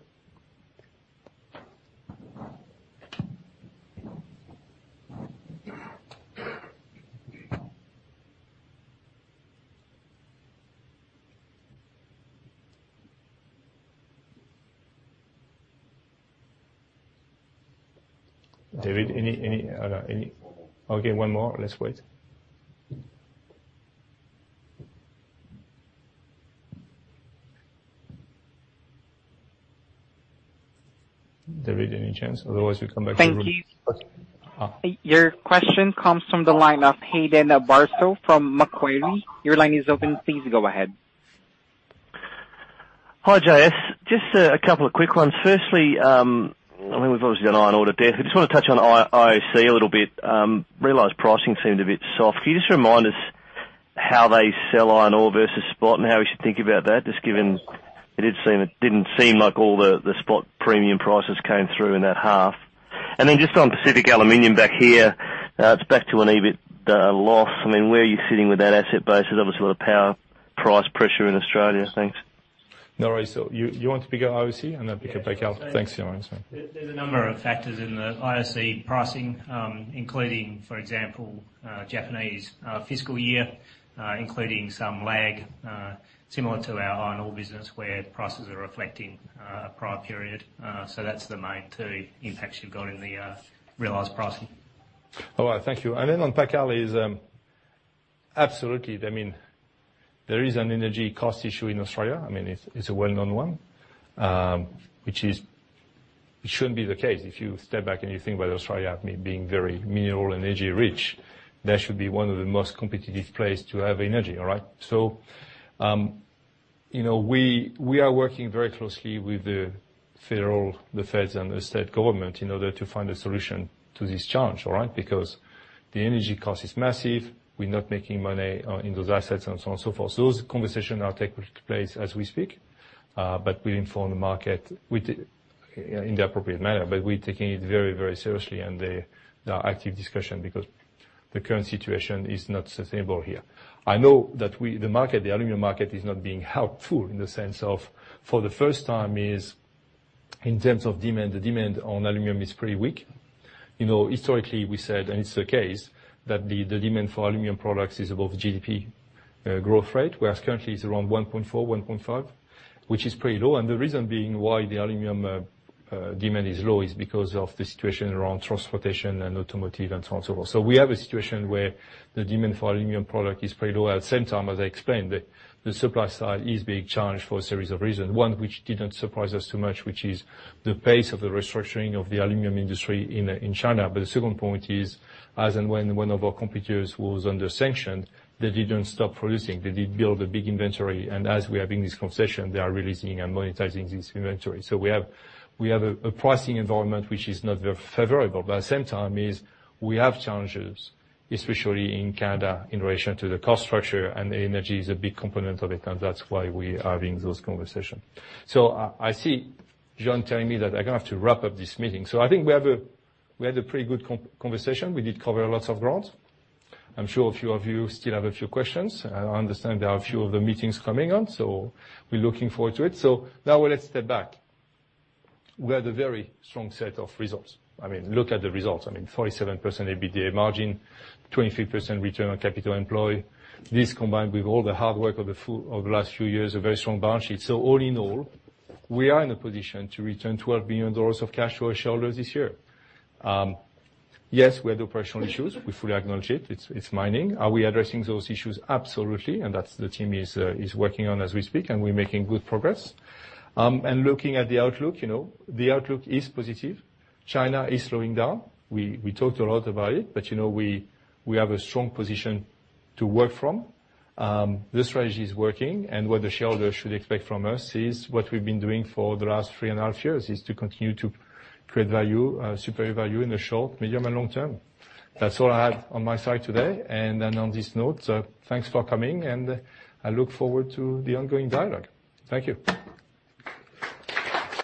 One more. Okay, one more. Let's wait. David, any chance? Otherwise, we come back to room- Thank you. Your question comes from the line of Hayden Bairstow from Macquarie. Your line is open. Please go ahead. Hi, J-S, just a couple of quick ones. Firstly, we've obviously done iron ore to death. I just want to touch on IOC a little bit. Realized pricing seemed a bit soft. Can you just remind us how they sell iron ore versus spot and how we should think about that? Just given it didn't seem like all the spot premium prices came through in that half. Just on Pacific Aluminium back here, it's back to an EBITDA loss. Where are you sitting with that asset base? There's obviously a lot of power price pressure in Australia. Thanks. No worries. You want to pick up IOC and then pick up PacAl? Thanks, Hayden. There's a number of factors in the IOC pricing, including, for example Japanese fiscal year, including some lag, similar to our iron ore business where prices are reflecting prior period. That's the main two impacts you've got in the realized pricing. All right, thank you. On PacAl, absolutely, there is an energy cost issue in Australia. It's a well-known one, which shouldn't be the case. If you step back and you think about Australia being very mineral and energy rich, that should be one of the most competitive place to have energy. We are working very closely with the feds and the state government in order to find a solution to this challenge. The energy cost is massive. We're not making money in those assets, and so on and so forth. Those conversations are taking place as we speak, we inform the market in the appropriate manner. We're taking it very seriously and there are active discussion because the current situation is not sustainable here. I know that the aluminum market is not being helpful in the sense of, for the first time, in terms of demand, the demand on aluminum is pretty weak. Historically, we said, and it's the case, that the demand for aluminum products is above GDP growth rate, whereas currently it's around 1.4, 1.5, which is pretty low. The reason being why the aluminum demand is low is because of the situation around transportation and automotive and so on and so forth. We have a situation where the demand for aluminum product is pretty low. At the same time, as I explained, the supply side is being challenged for a series of reasons. One which didn't surprise us too much, which is the pace of the restructuring of the aluminum industry in China. The second point is, as and when one of our competitors was under sanction, they didn't stop producing. They did build a big inventory, as we are having this conversation, they are releasing and monetizing this inventory. We have a pricing environment which is not very favorable, but at the same time, we have challenges, especially in Canada, in relation to the cost structure and the energy is a big component of it, and that's why we are having those conversations. I see John telling me that I'm going to have to wrap up this meeting. I think we had a pretty good conversation. We did cover lots of ground. I'm sure a few of you still have a few questions. I understand there are a few other meetings coming on, so we're looking forward to it. Now let's step back. We had a very strong set of results. Look at the results. 47% EBITDA margin, 23% return on capital employed. This combined with all the hard work over the last few years, a very strong balance sheet. All in all, we are in a position to return $12 billion of cash to our shareholders this year. Yes, we had operational issues. We fully acknowledge it. It's mining. Are we addressing those issues? Absolutely. That the team is working on as we speak and we're making good progress. Looking at the outlook, the outlook is positive. China is slowing down. We talked a lot about it, but we have a strong position to work from. The strategy is working and what the shareholders should expect from us is what we've been doing for the last three and a half years, is to continue to create value, superior value in the short, medium, and long term. That's all I have on my side today. On this note, thanks for coming, and I look forward to the ongoing dialogue. Thank you.